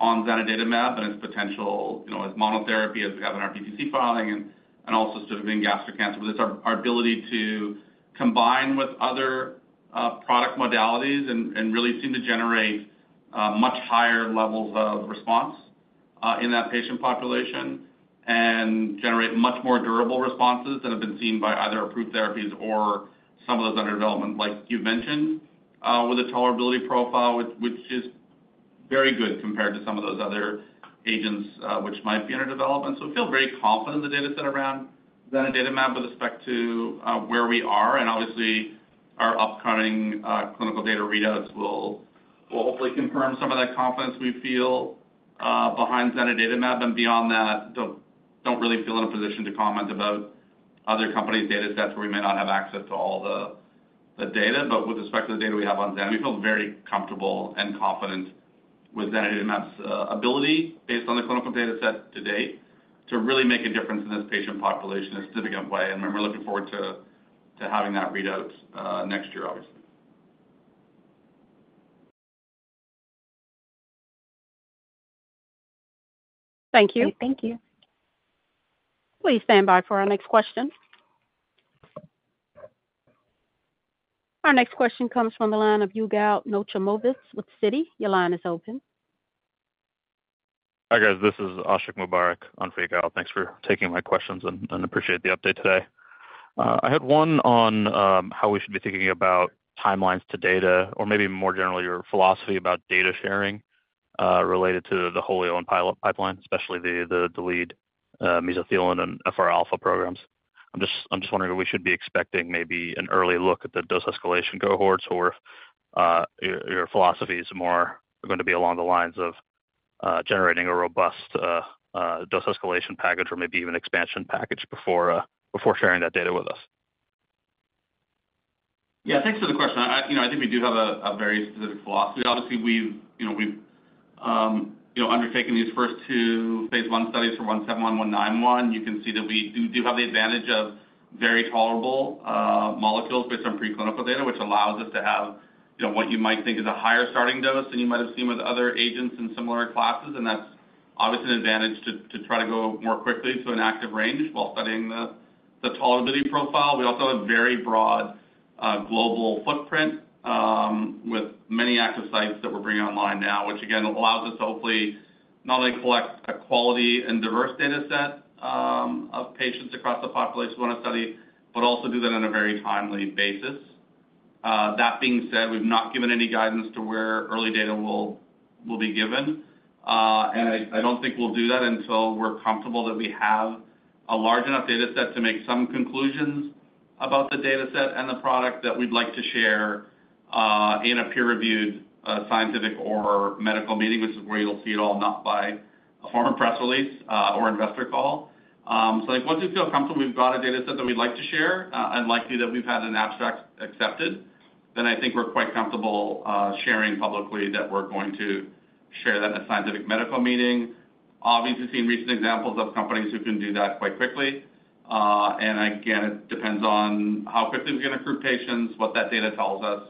on zanidatamab and its potential as monotherapy as we have in our BLA filing and also specifically in gastric cancer. But it's our ability to combine with other product modalities and really seem to generate much higher levels of response in that patient population and generate much more durable responses that have been seen by either approved therapies or some of those under development, like you've mentioned, with a tolerability profile, which is very good compared to some of those other agents which might be under development. So we feel very confident in the data set around zanidatamab with respect to where we are. And obviously, our upcoming clinical data readouts will hopefully confirm some of that confidence we feel behind zanidatamab. Beyond that, don't really feel in a position to comment about other companies' data sets where we may not have access to all the data. But with respect to the data we have on zanidatamab, we feel very comfortable and confident with zanidatamab's ability, based on the clinical data set to date, to really make a difference in this patient population in a significant way. We're looking forward to having that readout next year, obviously. Thank you. Thank you. Please stand by for our next question. Our next question comes from the line of Yigal Nochomovitz with Citi. Your line is open. Hi, guys. This is Ashiq Mubarack on for Yigal. Thanks for taking my questions and appreciate the update today. I had one on how we should be thinking about timelines to data or maybe more generally your philosophy about data sharing related to wholly-owned pipeline, especially the lead mesothelin and FR alpha programs. I'm just wondering if we should be expecting maybe an early look at the dose escalation cohorts or if your philosophy is more going to be along the lines of generating a robust dose escalation package or maybe even expansion package before sharing that data with us? Yeah, thanks for the question. I think we do have a very specific philosophy. Obviously, we've undertaken these first two phase one studies for ZW171, ZW191. You can see that we do have the advantage of very tolerable molecules based on preclinical data, which allows us to have what you might think is a higher starting dose than you might have seen with other agents in similar classes, and that's obviously an advantage to try to go more quickly to an active range while studying the tolerability profile. We also have a very broad global footprint with many active sites that we're bringing online now, which again allows us to hopefully not only collect a quality and diverse data set of patients across the population we want to study, but also do that on a very timely basis. That being said, we've not given any guidance to where early data will be given. I don't think we'll do that until we're comfortable that we have a large enough data set to make some conclusions about the data set and the product that we'd like to share in a peer-reviewed scientific or medical meeting, which is where you'll see it all, not by a formal press release or investor call. I think once we feel comfortable we've got a data set that we'd like to share and likely that we've had an abstract accepted, then I think we're quite comfortable sharing publicly that we're going to share that in a scientific or medical meeting. Obviously, we've seen recent examples of companies who can do that quite quickly. Again, it depends on how quickly we're going to recruit patients, what that data tells us,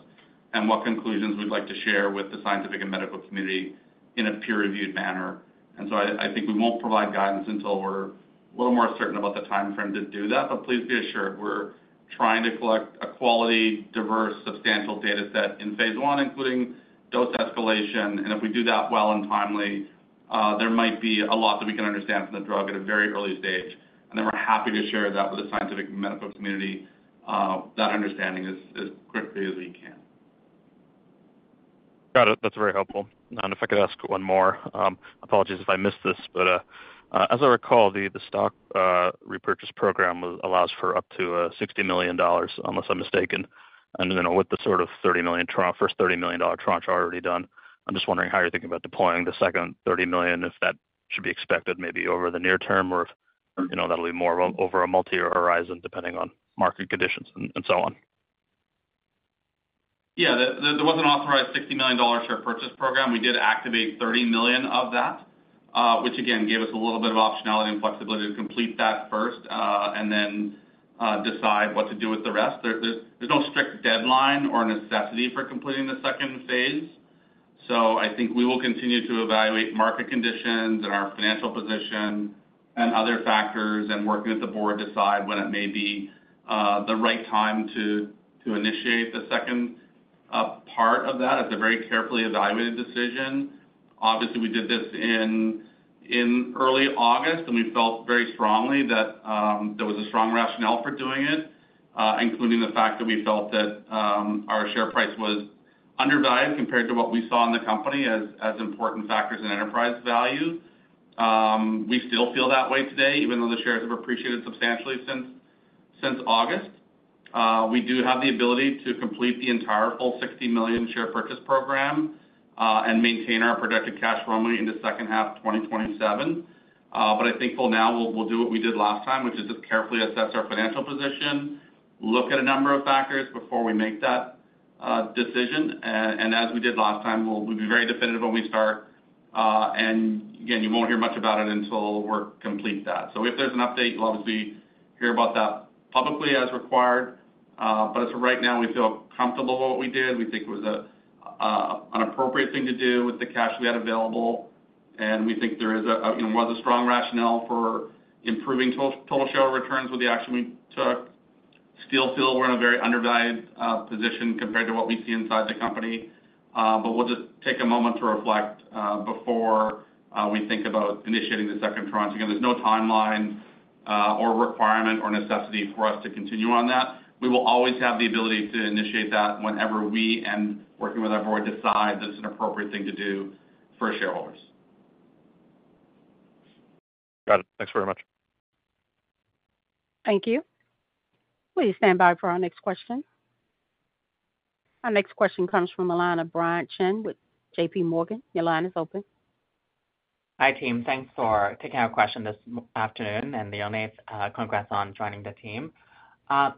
and what conclusions we'd like to share with the scientific and medical community in a peer-reviewed manner. And so I think we won't provide guidance until we're a little more certain about the timeframe to do that. But please be assured, we're trying to collect a quality, diverse, substantial data set in phase one, including dose escalation. And if we do that well and timely, there might be a lot that we can understand from the drug at a very early stage. And then we're happy to share that with the scientific and medical community, that understanding, as quickly as we can. Got it. That's very helpful. And if I could ask one more, apologies if I missed this, but as I recall, the stock repurchase program allows for up to $60 million, unless I'm mistaken, with the sort of $30 million tranche already done. I'm just wondering how you're thinking about deploying the second $30 million, if that should be expected maybe over the near term or if that'll be more over a multi-year horizon, depending on market conditions and so on? Yeah, there was an authorized $60 million share purchase program. We did activate $30 million of that, which again gave us a little bit of optionality and flexibility to complete that first and then decide what to do with the rest. There's no strict deadline or necessity for completing the second phase. So I think we will continue to evaluate market conditions and our financial position and other factors and working with the board to decide when it may be the right time to initiate the second part of that. It's a very carefully evaluated decision. Obviously, we did this in early August, and we felt very strongly that there was a strong rationale for doing it, including the fact that we felt that our share price was undervalued compared to what we saw in the company as important factors in enterprise value. We still feel that way today, even though the shares have appreciated substantially since August. We do have the ability to complete the entire full $60 million share purchase program and maintain our projected cash revenue into second half 2027. But I think for now, we'll do what we did last time, which is just carefully assess our financial position, look at a number of factors before we make that decision, and as we did last time, we'll be very definitive when we start, and again, you won't hear much about it until we complete that. So if there's an update, you'll obviously hear about that publicly as required. But as for right now, we feel comfortable with what we did. We think it was an appropriate thing to do with the cash we had available. And we think there was a strong rationale for improving total share returns with the action we took. Still feel we're in a very undervalued position compared to what we see inside the company. But we'll just take a moment to reflect before we think about initiating the second tranche. Again, there's no timeline or requirement or necessity for us to continue on that. We will always have the ability to initiate that whenever we, working with our board, decide that it's an appropriate thing to do for shareholders. Got it. Thanks very much. Thank you. Please stand by for our next question. Our next question comes from the line of Brian Cheng with JPMorgan. Your line is open. Hi, team. Thanks for taking our question this afternoon. And Leone, congrats on joining the team.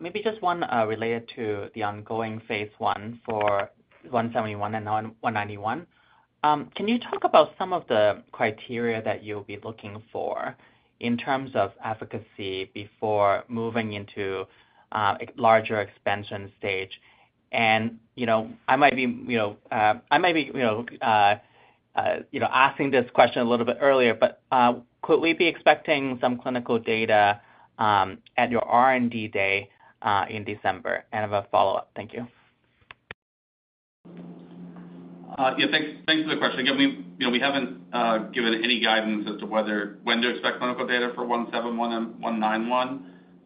Maybe just one related to the ongoing phase one for ZW171 and now ZW191. Can you talk about some of the criteria that you'll be looking for in terms of efficacy before moving into a larger expansion stage? And I might be asking this question a little bit earlier, but could we be expecting some clinical data at your R&D day in December? And I have a follow-up. Thank you. Yeah, thanks for the question. Again, we haven't given any guidance as to when to expect clinical data for ZW171 and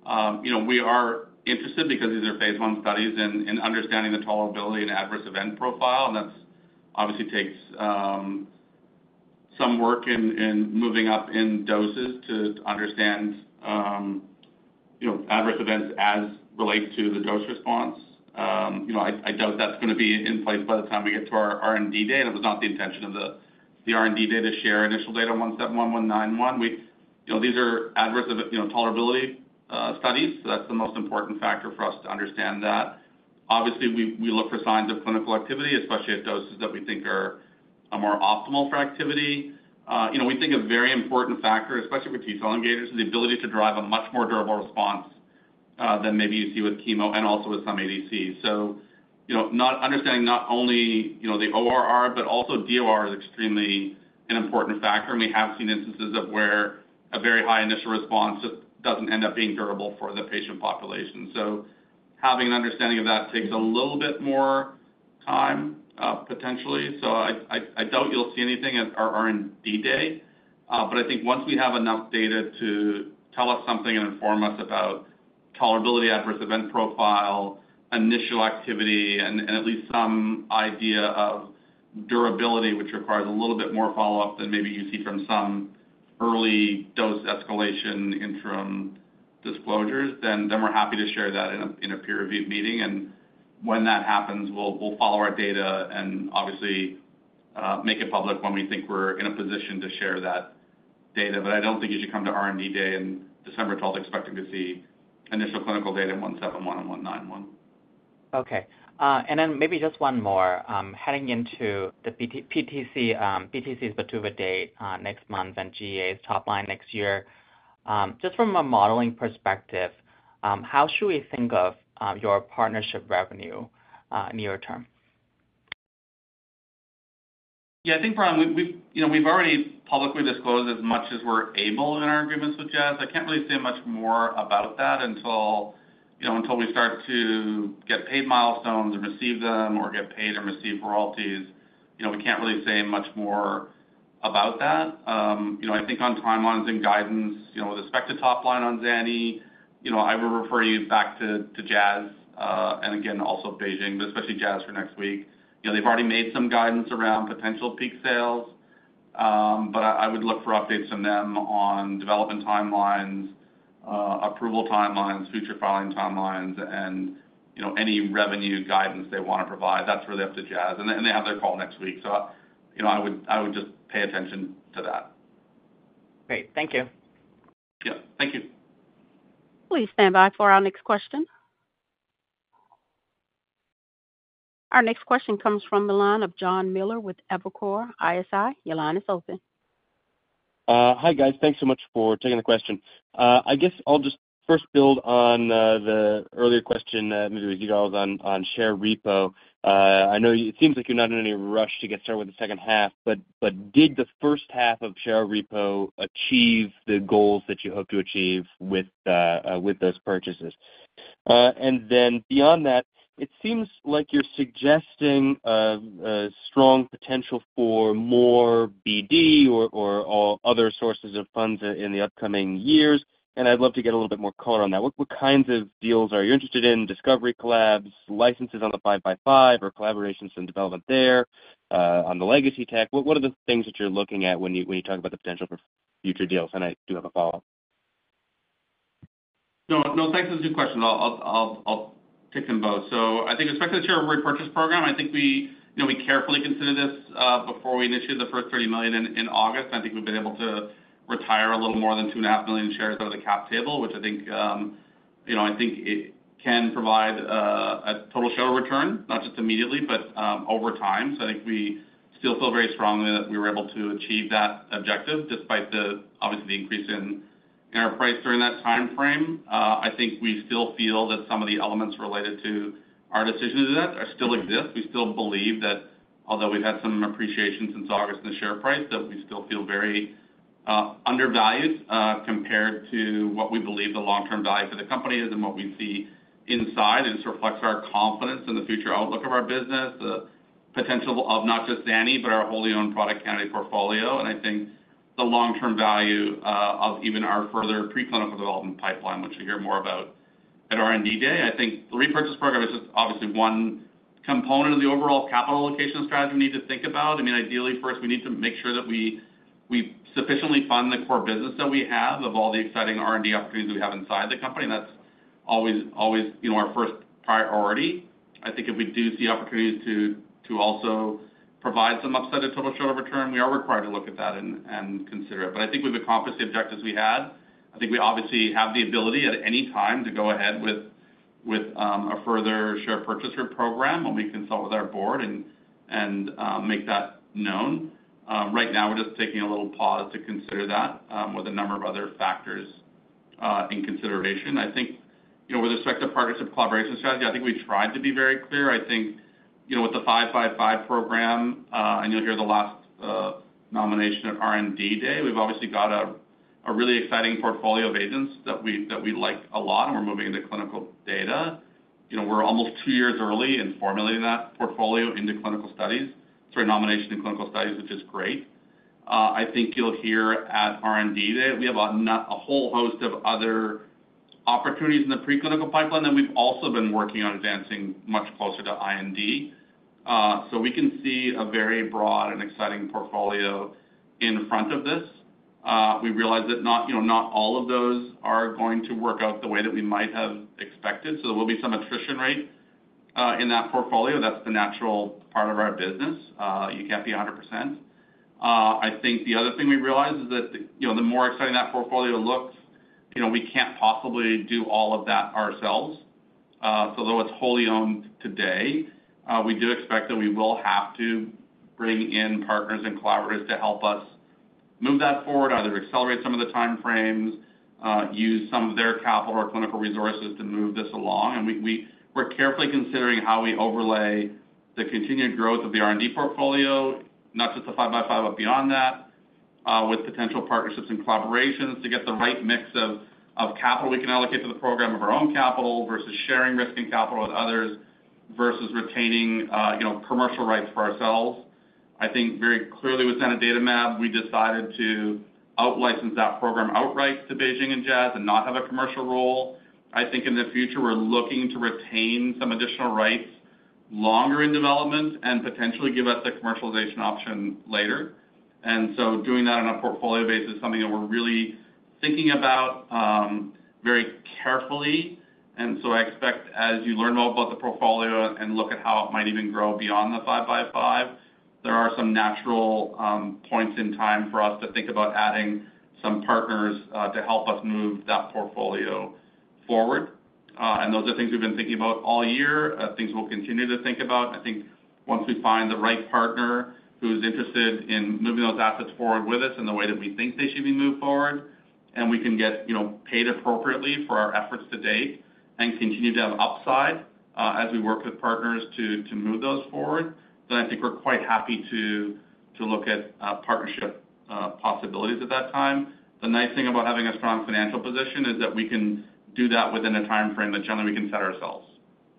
ZW191. We are interested because these are phase one studies in understanding the tolerability and adverse event profile. That obviously takes some work in moving up in doses to understand adverse events as relates to the dose response. I doubt that's going to be in place by the time we get to our R&D day. It was not the intention of the R&D day to share initial data on ZW171, ZW191. These are adverse tolerability studies. That's the most important factor for us to understand that. Obviously, we look for signs of clinical activity, especially at doses that we think are more optimal for activity. We think a very important factor, especially for T-cell engagers, is the ability to drive a much more durable response than maybe you see with chemo and also with some ADC. So understanding not only the ORR, but also DOR is extremely important factor. And we have seen instances of where a very high initial response just doesn't end up being durable for the patient population. So having an understanding of that takes a little bit more time, potentially. So I doubt you'll see anything at our R&D day. But I think once we have enough data to tell us something and inform us about tolerability, adverse event profile, initial activity, and at least some idea of durability, which requires a little bit more follow-up than maybe you see from some early dose escalation interim disclosures, then we're happy to share that in a peer-reviewed meeting. And when that happens, we'll follow our data and obviously make it public when we think we're in a position to share that data. But I don't think you should come to R&D day in December 12th expecting to see initial clinical data in ZW171 and ZW191. Okay. And then maybe just one more. Heading into the PDUFA date next month and GEA-01's top line next year, just from a modeling perspective, how should we think of your partnership revenue near term? Yeah, I think we've already publicly disclosed as much as we're able in our agreements with Jazz. I can't really say much more about that until we start to get paid milestones and receive them or get paid and receive royalties. We can't really say much more about that. I think on timelines and guidance with respect to top line on zanidatamab, I would refer you back to Jazz and again, also BeiGene, but especially Jazz for next week. They've already made some guidance around potential peak sales. But I would look for updates from them on development timelines, approval timelines, future filing timelines, and any revenue guidance they want to provide. That's really up to Jazz, and they have their call next week. So I would just pay attention to that. Great. Thank you. Yeah. Thank you. Please stand by for our next question. Our next question comes from the line of Jon Miller with Evercore ISI. Your line is open. Hi, guys. Thanks so much for taking the question. I guess I'll just first build on the earlier question, maybe with you guys on share repo. I know it seems like you're not in any rush to get started with the second half, but did the first half of share repo achieve the goals that you hope to achieve with those purchases? And then beyond that, it seems like you're suggesting a strong potential for more BD or other sources of funds in the upcoming years, and I'd love to get a little bit more color on that. What kinds of deals are you interested in? Discovery collabs, licenses on the 5x5, or collaborations and development there on the legacy tech? What are the things that you're looking at when you talk about the potential for future deals? And I do have a follow-up. No, thanks for the two questions. I'll take them both. So I think, especially the share repurchase program, I think we carefully considered this before we initiated the first $30 million in August. I think we've been able to retire a little more than $2.5 million shares out of the cap table, which I think it can provide a total share return, not just immediately, but over time. So I think we still feel very strongly that we were able to achieve that objective despite obviously the increase in our price during that timeframe. I think we still feel that some of the elements related to our decisions still exist. We still believe that although we've had some appreciation since August in the share price, that we still feel very undervalued compared to what we believe the long-term value for the company is and what we see inside, and it reflects our confidence in the future outlook of our business, the potential of not just Zani, but our wholly-owned product candidate portfolio, and I think the long-term value of even our further preclinical development pipeline, which you'll hear more about at R&D Day. I think the repurchase program is just obviously one component of the overall capital allocation strategy we need to think about. I mean, ideally, first, we need to make sure that we sufficiently fund the core business that we have of all the exciting R&D opportunities that we have inside the company. And that's always our first priority. I think if we do see opportunities to also provide some upside of total share over term, we are required to look at that and consider it. But I think we've accomplished the objectives we had. I think we obviously have the ability at any time to go ahead with a further share purchase program when we consult with our board and make that known. Right now, we're just taking a little pause to consider that with a number of other factors in consideration. I think with respect to partnership collaboration strategy, I think we've tried to be very clear. I think with the 5x5 program, and you'll hear the last nomination at R&D day, we've obviously got a really exciting portfolio of agents that we like a lot, and we're moving into clinical data. We're almost two years early in formulating that portfolio into clinical studies, through a nomination in clinical studies, which is great. I think you'll hear at R&D day that we have a whole host of other opportunities in the preclinical pipeline that we've also been working on advancing much closer to IND. So we can see a very broad and exciting portfolio in front of this. We realize that not all of those are going to work out the way that we might have expected. So there will be some attrition rate in that portfolio. That's the natural part of our business. You can't be 100%. I think the other thing we realize is that the more exciting that portfolio looks, we can't possibly do all of that ourselves. So though it's wholly-owned today, we do expect that we will have to bring in partners and collaborators to help us move that forward, either accelerate some of the timeframes, use some of their capital or clinical resources to move this along. And we're carefully considering how we overlay the continued growth of the R&D portfolio, not just the 5x5, but beyond that, with potential partnerships and collaborations to get the right mix of capital we can allocate to the program of our own capital versus sharing risk and capital with others versus retaining commercial rights for ourselves. I think very clearly with zanidatamab, we decided to out-license that program outright to BeiGene and Jazz and not have a commercial role. I think in the future, we're looking to retain some additional rights longer in development and potentially give us a commercialization option later. And so doing that on a portfolio basis is something that we're really thinking about very carefully. And so I expect as you learn more about the portfolio and look at how it might even grow beyond the 5x5, there are some natural points in time for us to think about adding some partners to help us move that portfolio forward. And those are things we've been thinking about all year, things we'll continue to think about. I think once we find the right partner who's interested in moving those assets forward with us in the way that we think they should be moved forward, and we can get paid appropriately for our efforts to date and continue to have upside as we work with partners to move those forward, then I think we're quite happy to look at partnership possibilities at that time. The nice thing about having a strong financial position is that we can do that within a timeframe that generally we can set ourselves,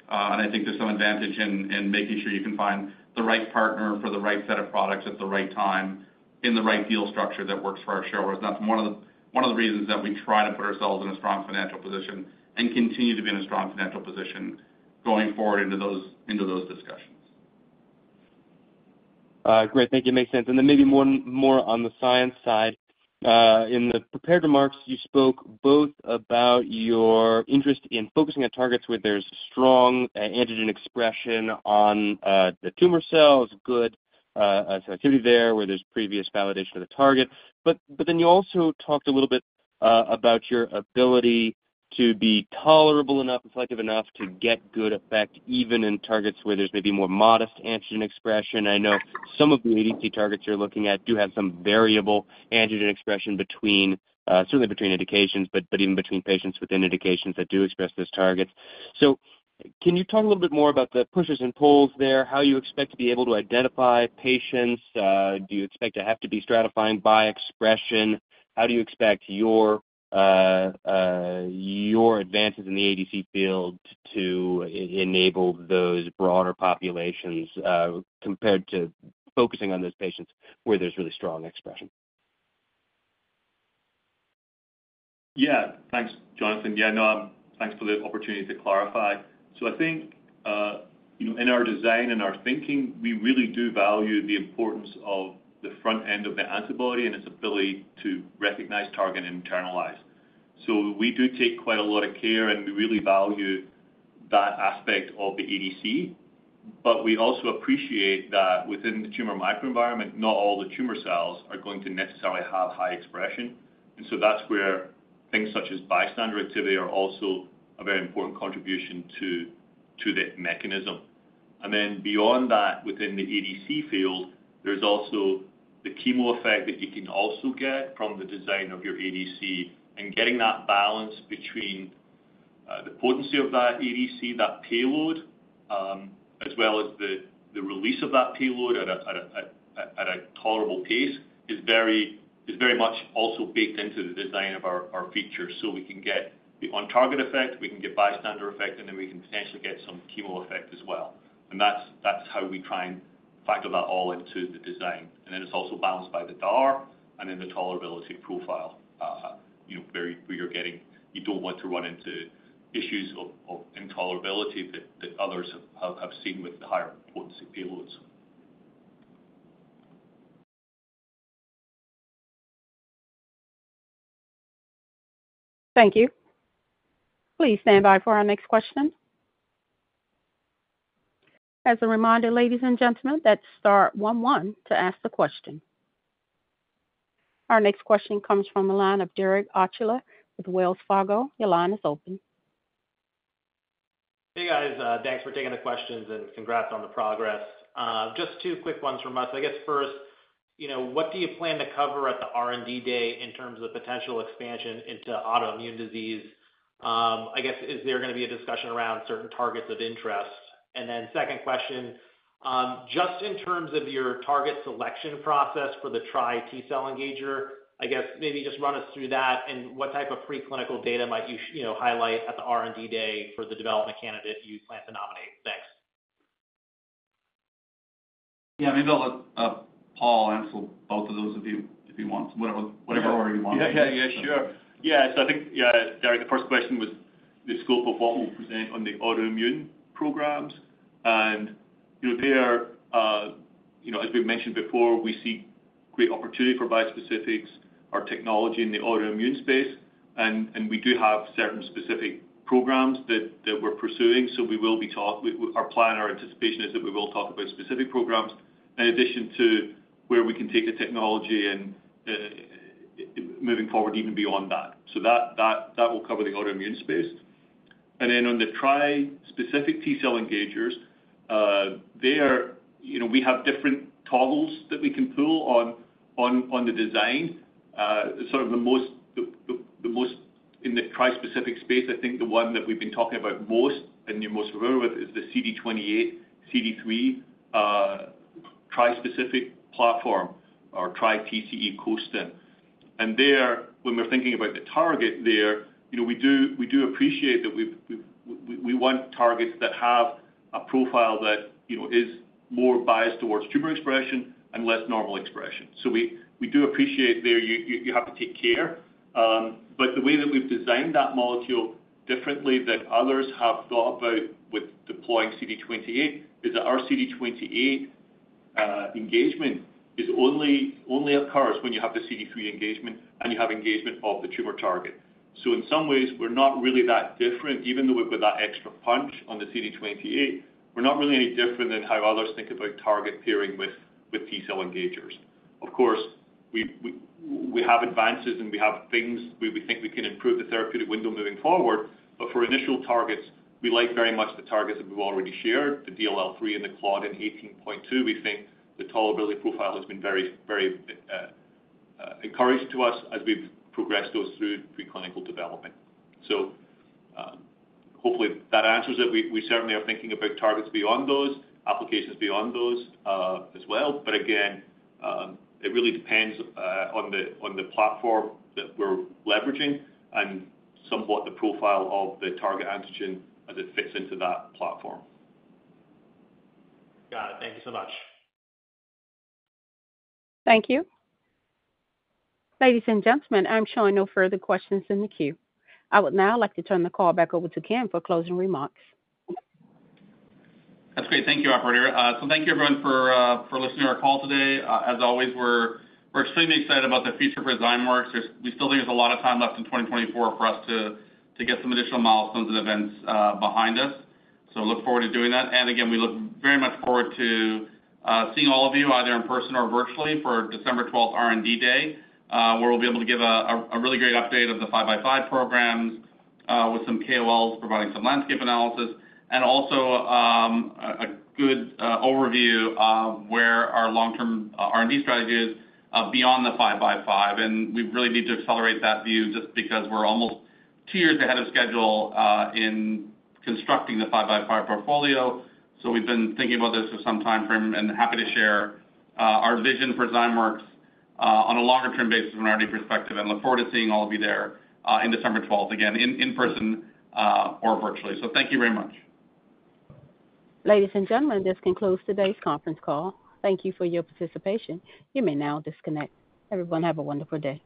and I think there's some advantage in making sure you can find the right partner for the right set of products at the right time in the right deal structure that works for our shareholders. That's one of the reasons that we try to put ourselves in a strong financial position and continue to be in a strong financial position going forward into those discussions. Great. Thank you. Makes sense, and then maybe more on the science side. In the prepared remarks, you spoke both about your interest in focusing on targets where there's strong antigen expression on the tumor cells, good activity there where there's previous validation of the target, but then you also talked a little bit about your ability to be tolerable enough, effective enough to get good effect even in targets where there's maybe more modest antigen expression. I know some of the ADC targets you're looking at do have some variable antigen expression, certainly between indications, but even between patients within indications that do express those targets. So, can you talk a little bit more about the pushes and pulls there, how you expect to be able to identify patients? Do you expect to have to be stratifying by expression? How do you expect your advances in the ADC field to enable those broader populations compared to focusing on those patients where there's really strong expression? Yeah. Thanks, Jonathan. Yeah, no, thanks for the opportunity to clarify. So, I think in our design and our thinking, we really do value the importance of the front end of the antibody and its ability to recognize, target, and internalize. So, we do take quite a lot of care, and we really value that aspect of the ADC. But we also appreciate that within the tumor microenvironment, not all the tumor cells are going to necessarily have high expression. And so that's where things such as bystander activity are also a very important contribution to that mechanism. And then beyond that, within the ADC field, there's also the chemo effect that you can also get from the design of your ADC. And getting that balance between the potency of that ADC, that payload, as well as the release of that payload at a tolerable pace is very much also baked into the design of our feature. So we can get the on-target effect, we can get bystander effect, and then we can potentially get some chemo effect as well. And that's how we try and factor that all into the design. And then it's also balanced by the DAR and then the tolerability profile, where you don't want to run into issues of intolerability that others have seen with the higher potency payloads. Thank you. Please stand by for our next question. As a reminder, ladies and gentlemen, that's star one one to ask the question. Our next question comes from the line of Derek Archila with Wells Fargo. Your line is open. Hey, guys. Thanks for taking the questions, and congrats on the progress. Just two quick ones from us. I guess first, what do you plan to cover at the R&D day in terms of potential expansion into autoimmune disease? I guess, is there going to be a discussion around certain targets of interest? And then second question, just in terms of your target selection process for the trispecific T-cell engager, I guess maybe just run us through that. And what type of preclinical data might you highlight at the R&D day for the development candidate you plan to nominate? Thanks. Yeah, maybe I'll let Paul answer both of those if he wants, whatever order he wants. Sure. So I think, Derek, the first question was the scope of what we'll present on the autoimmune programs. And there, as we've mentioned before, we see great opportunity for bispecifics, our technology in the autoimmune space. And we do have certain specific programs that we're pursuing. So we will be talking our plan, our anticipation is that we will talk about specific programs in addition to where we can take the technology and moving forward even beyond that. So that will cover the autoimmune space. And then on the trispecific T-cell engagers, we have different toggles that we can pull on the design. Sort of the most in the trispecific space, I think the one that we've been talking about most and you're most familiar with is the CD28, CD3 trispecific platform or trispecific TCE co-stimulation. And there, when we're thinking about the target there, we do appreciate that we want targets that have a profile that is more biased towards tumor expression and less normal expression. So we do appreciate there you have to take care. But the way that we've designed that molecule differently than others have thought about with deploying CD28 is that our CD28 engagement only occurs when you have the CD3 engagement and you have engagement of the tumor target. So in some ways, we're not really that different. Even though we've got that extra punch on the CD28, we're not really any different than how others think about target pairing with T-cell engagers. Of course, we have advances and we have things where we think we can improve the therapeutic window moving forward. But for initial targets, we like very much the targets that we've already shared, the DLL3 and the Claudin 18.2. We think the tolerability profile has been very encouraged to us as we've progressed those through preclinical development. So hopefully that answers it. We certainly are thinking about targets beyond those, applications beyond those as well. But again, it really depends on the platform that we're leveraging and somewhat the profile of the target antigen as it fits into that platform. Got it. Thank you so much. Thank you. Ladies and gentlemen, I'm sure no further questions in the queue. I would now like to turn the call back over to Ken for closing remarks. That's great. Thank you, Operator. So thank you, everyone, for listening to our call today. As always, we're extremely excited about the future for Zymeworks. We still think there's a lot of time left in 2024 for us to get some additional milestones and events behind us. So look forward to doing that. And again, we look very much forward to seeing all of you either in person or virtually for December 12th R&D day, where we'll be able to give a really great update of the 5x5 programs with some KOLs providing some landscape analysis and also a good overview of where our long-term R&D strategy is beyond the 5x5. And we really need to accelerate that view just because we're almost two years ahead of schedule in constructing the 5x5 portfolio. So we've been thinking about this for some time frame and happy to share our vision for Zymeworks on a longer-term basis from an R&D perspective and look forward to seeing all of you there on December 12th, again, in person or virtually. So thank you very much. Ladies and gentlemen, this concludes today's conference call. Thank you for your participation. You may now disconnect. Everyone, have a wonderful day.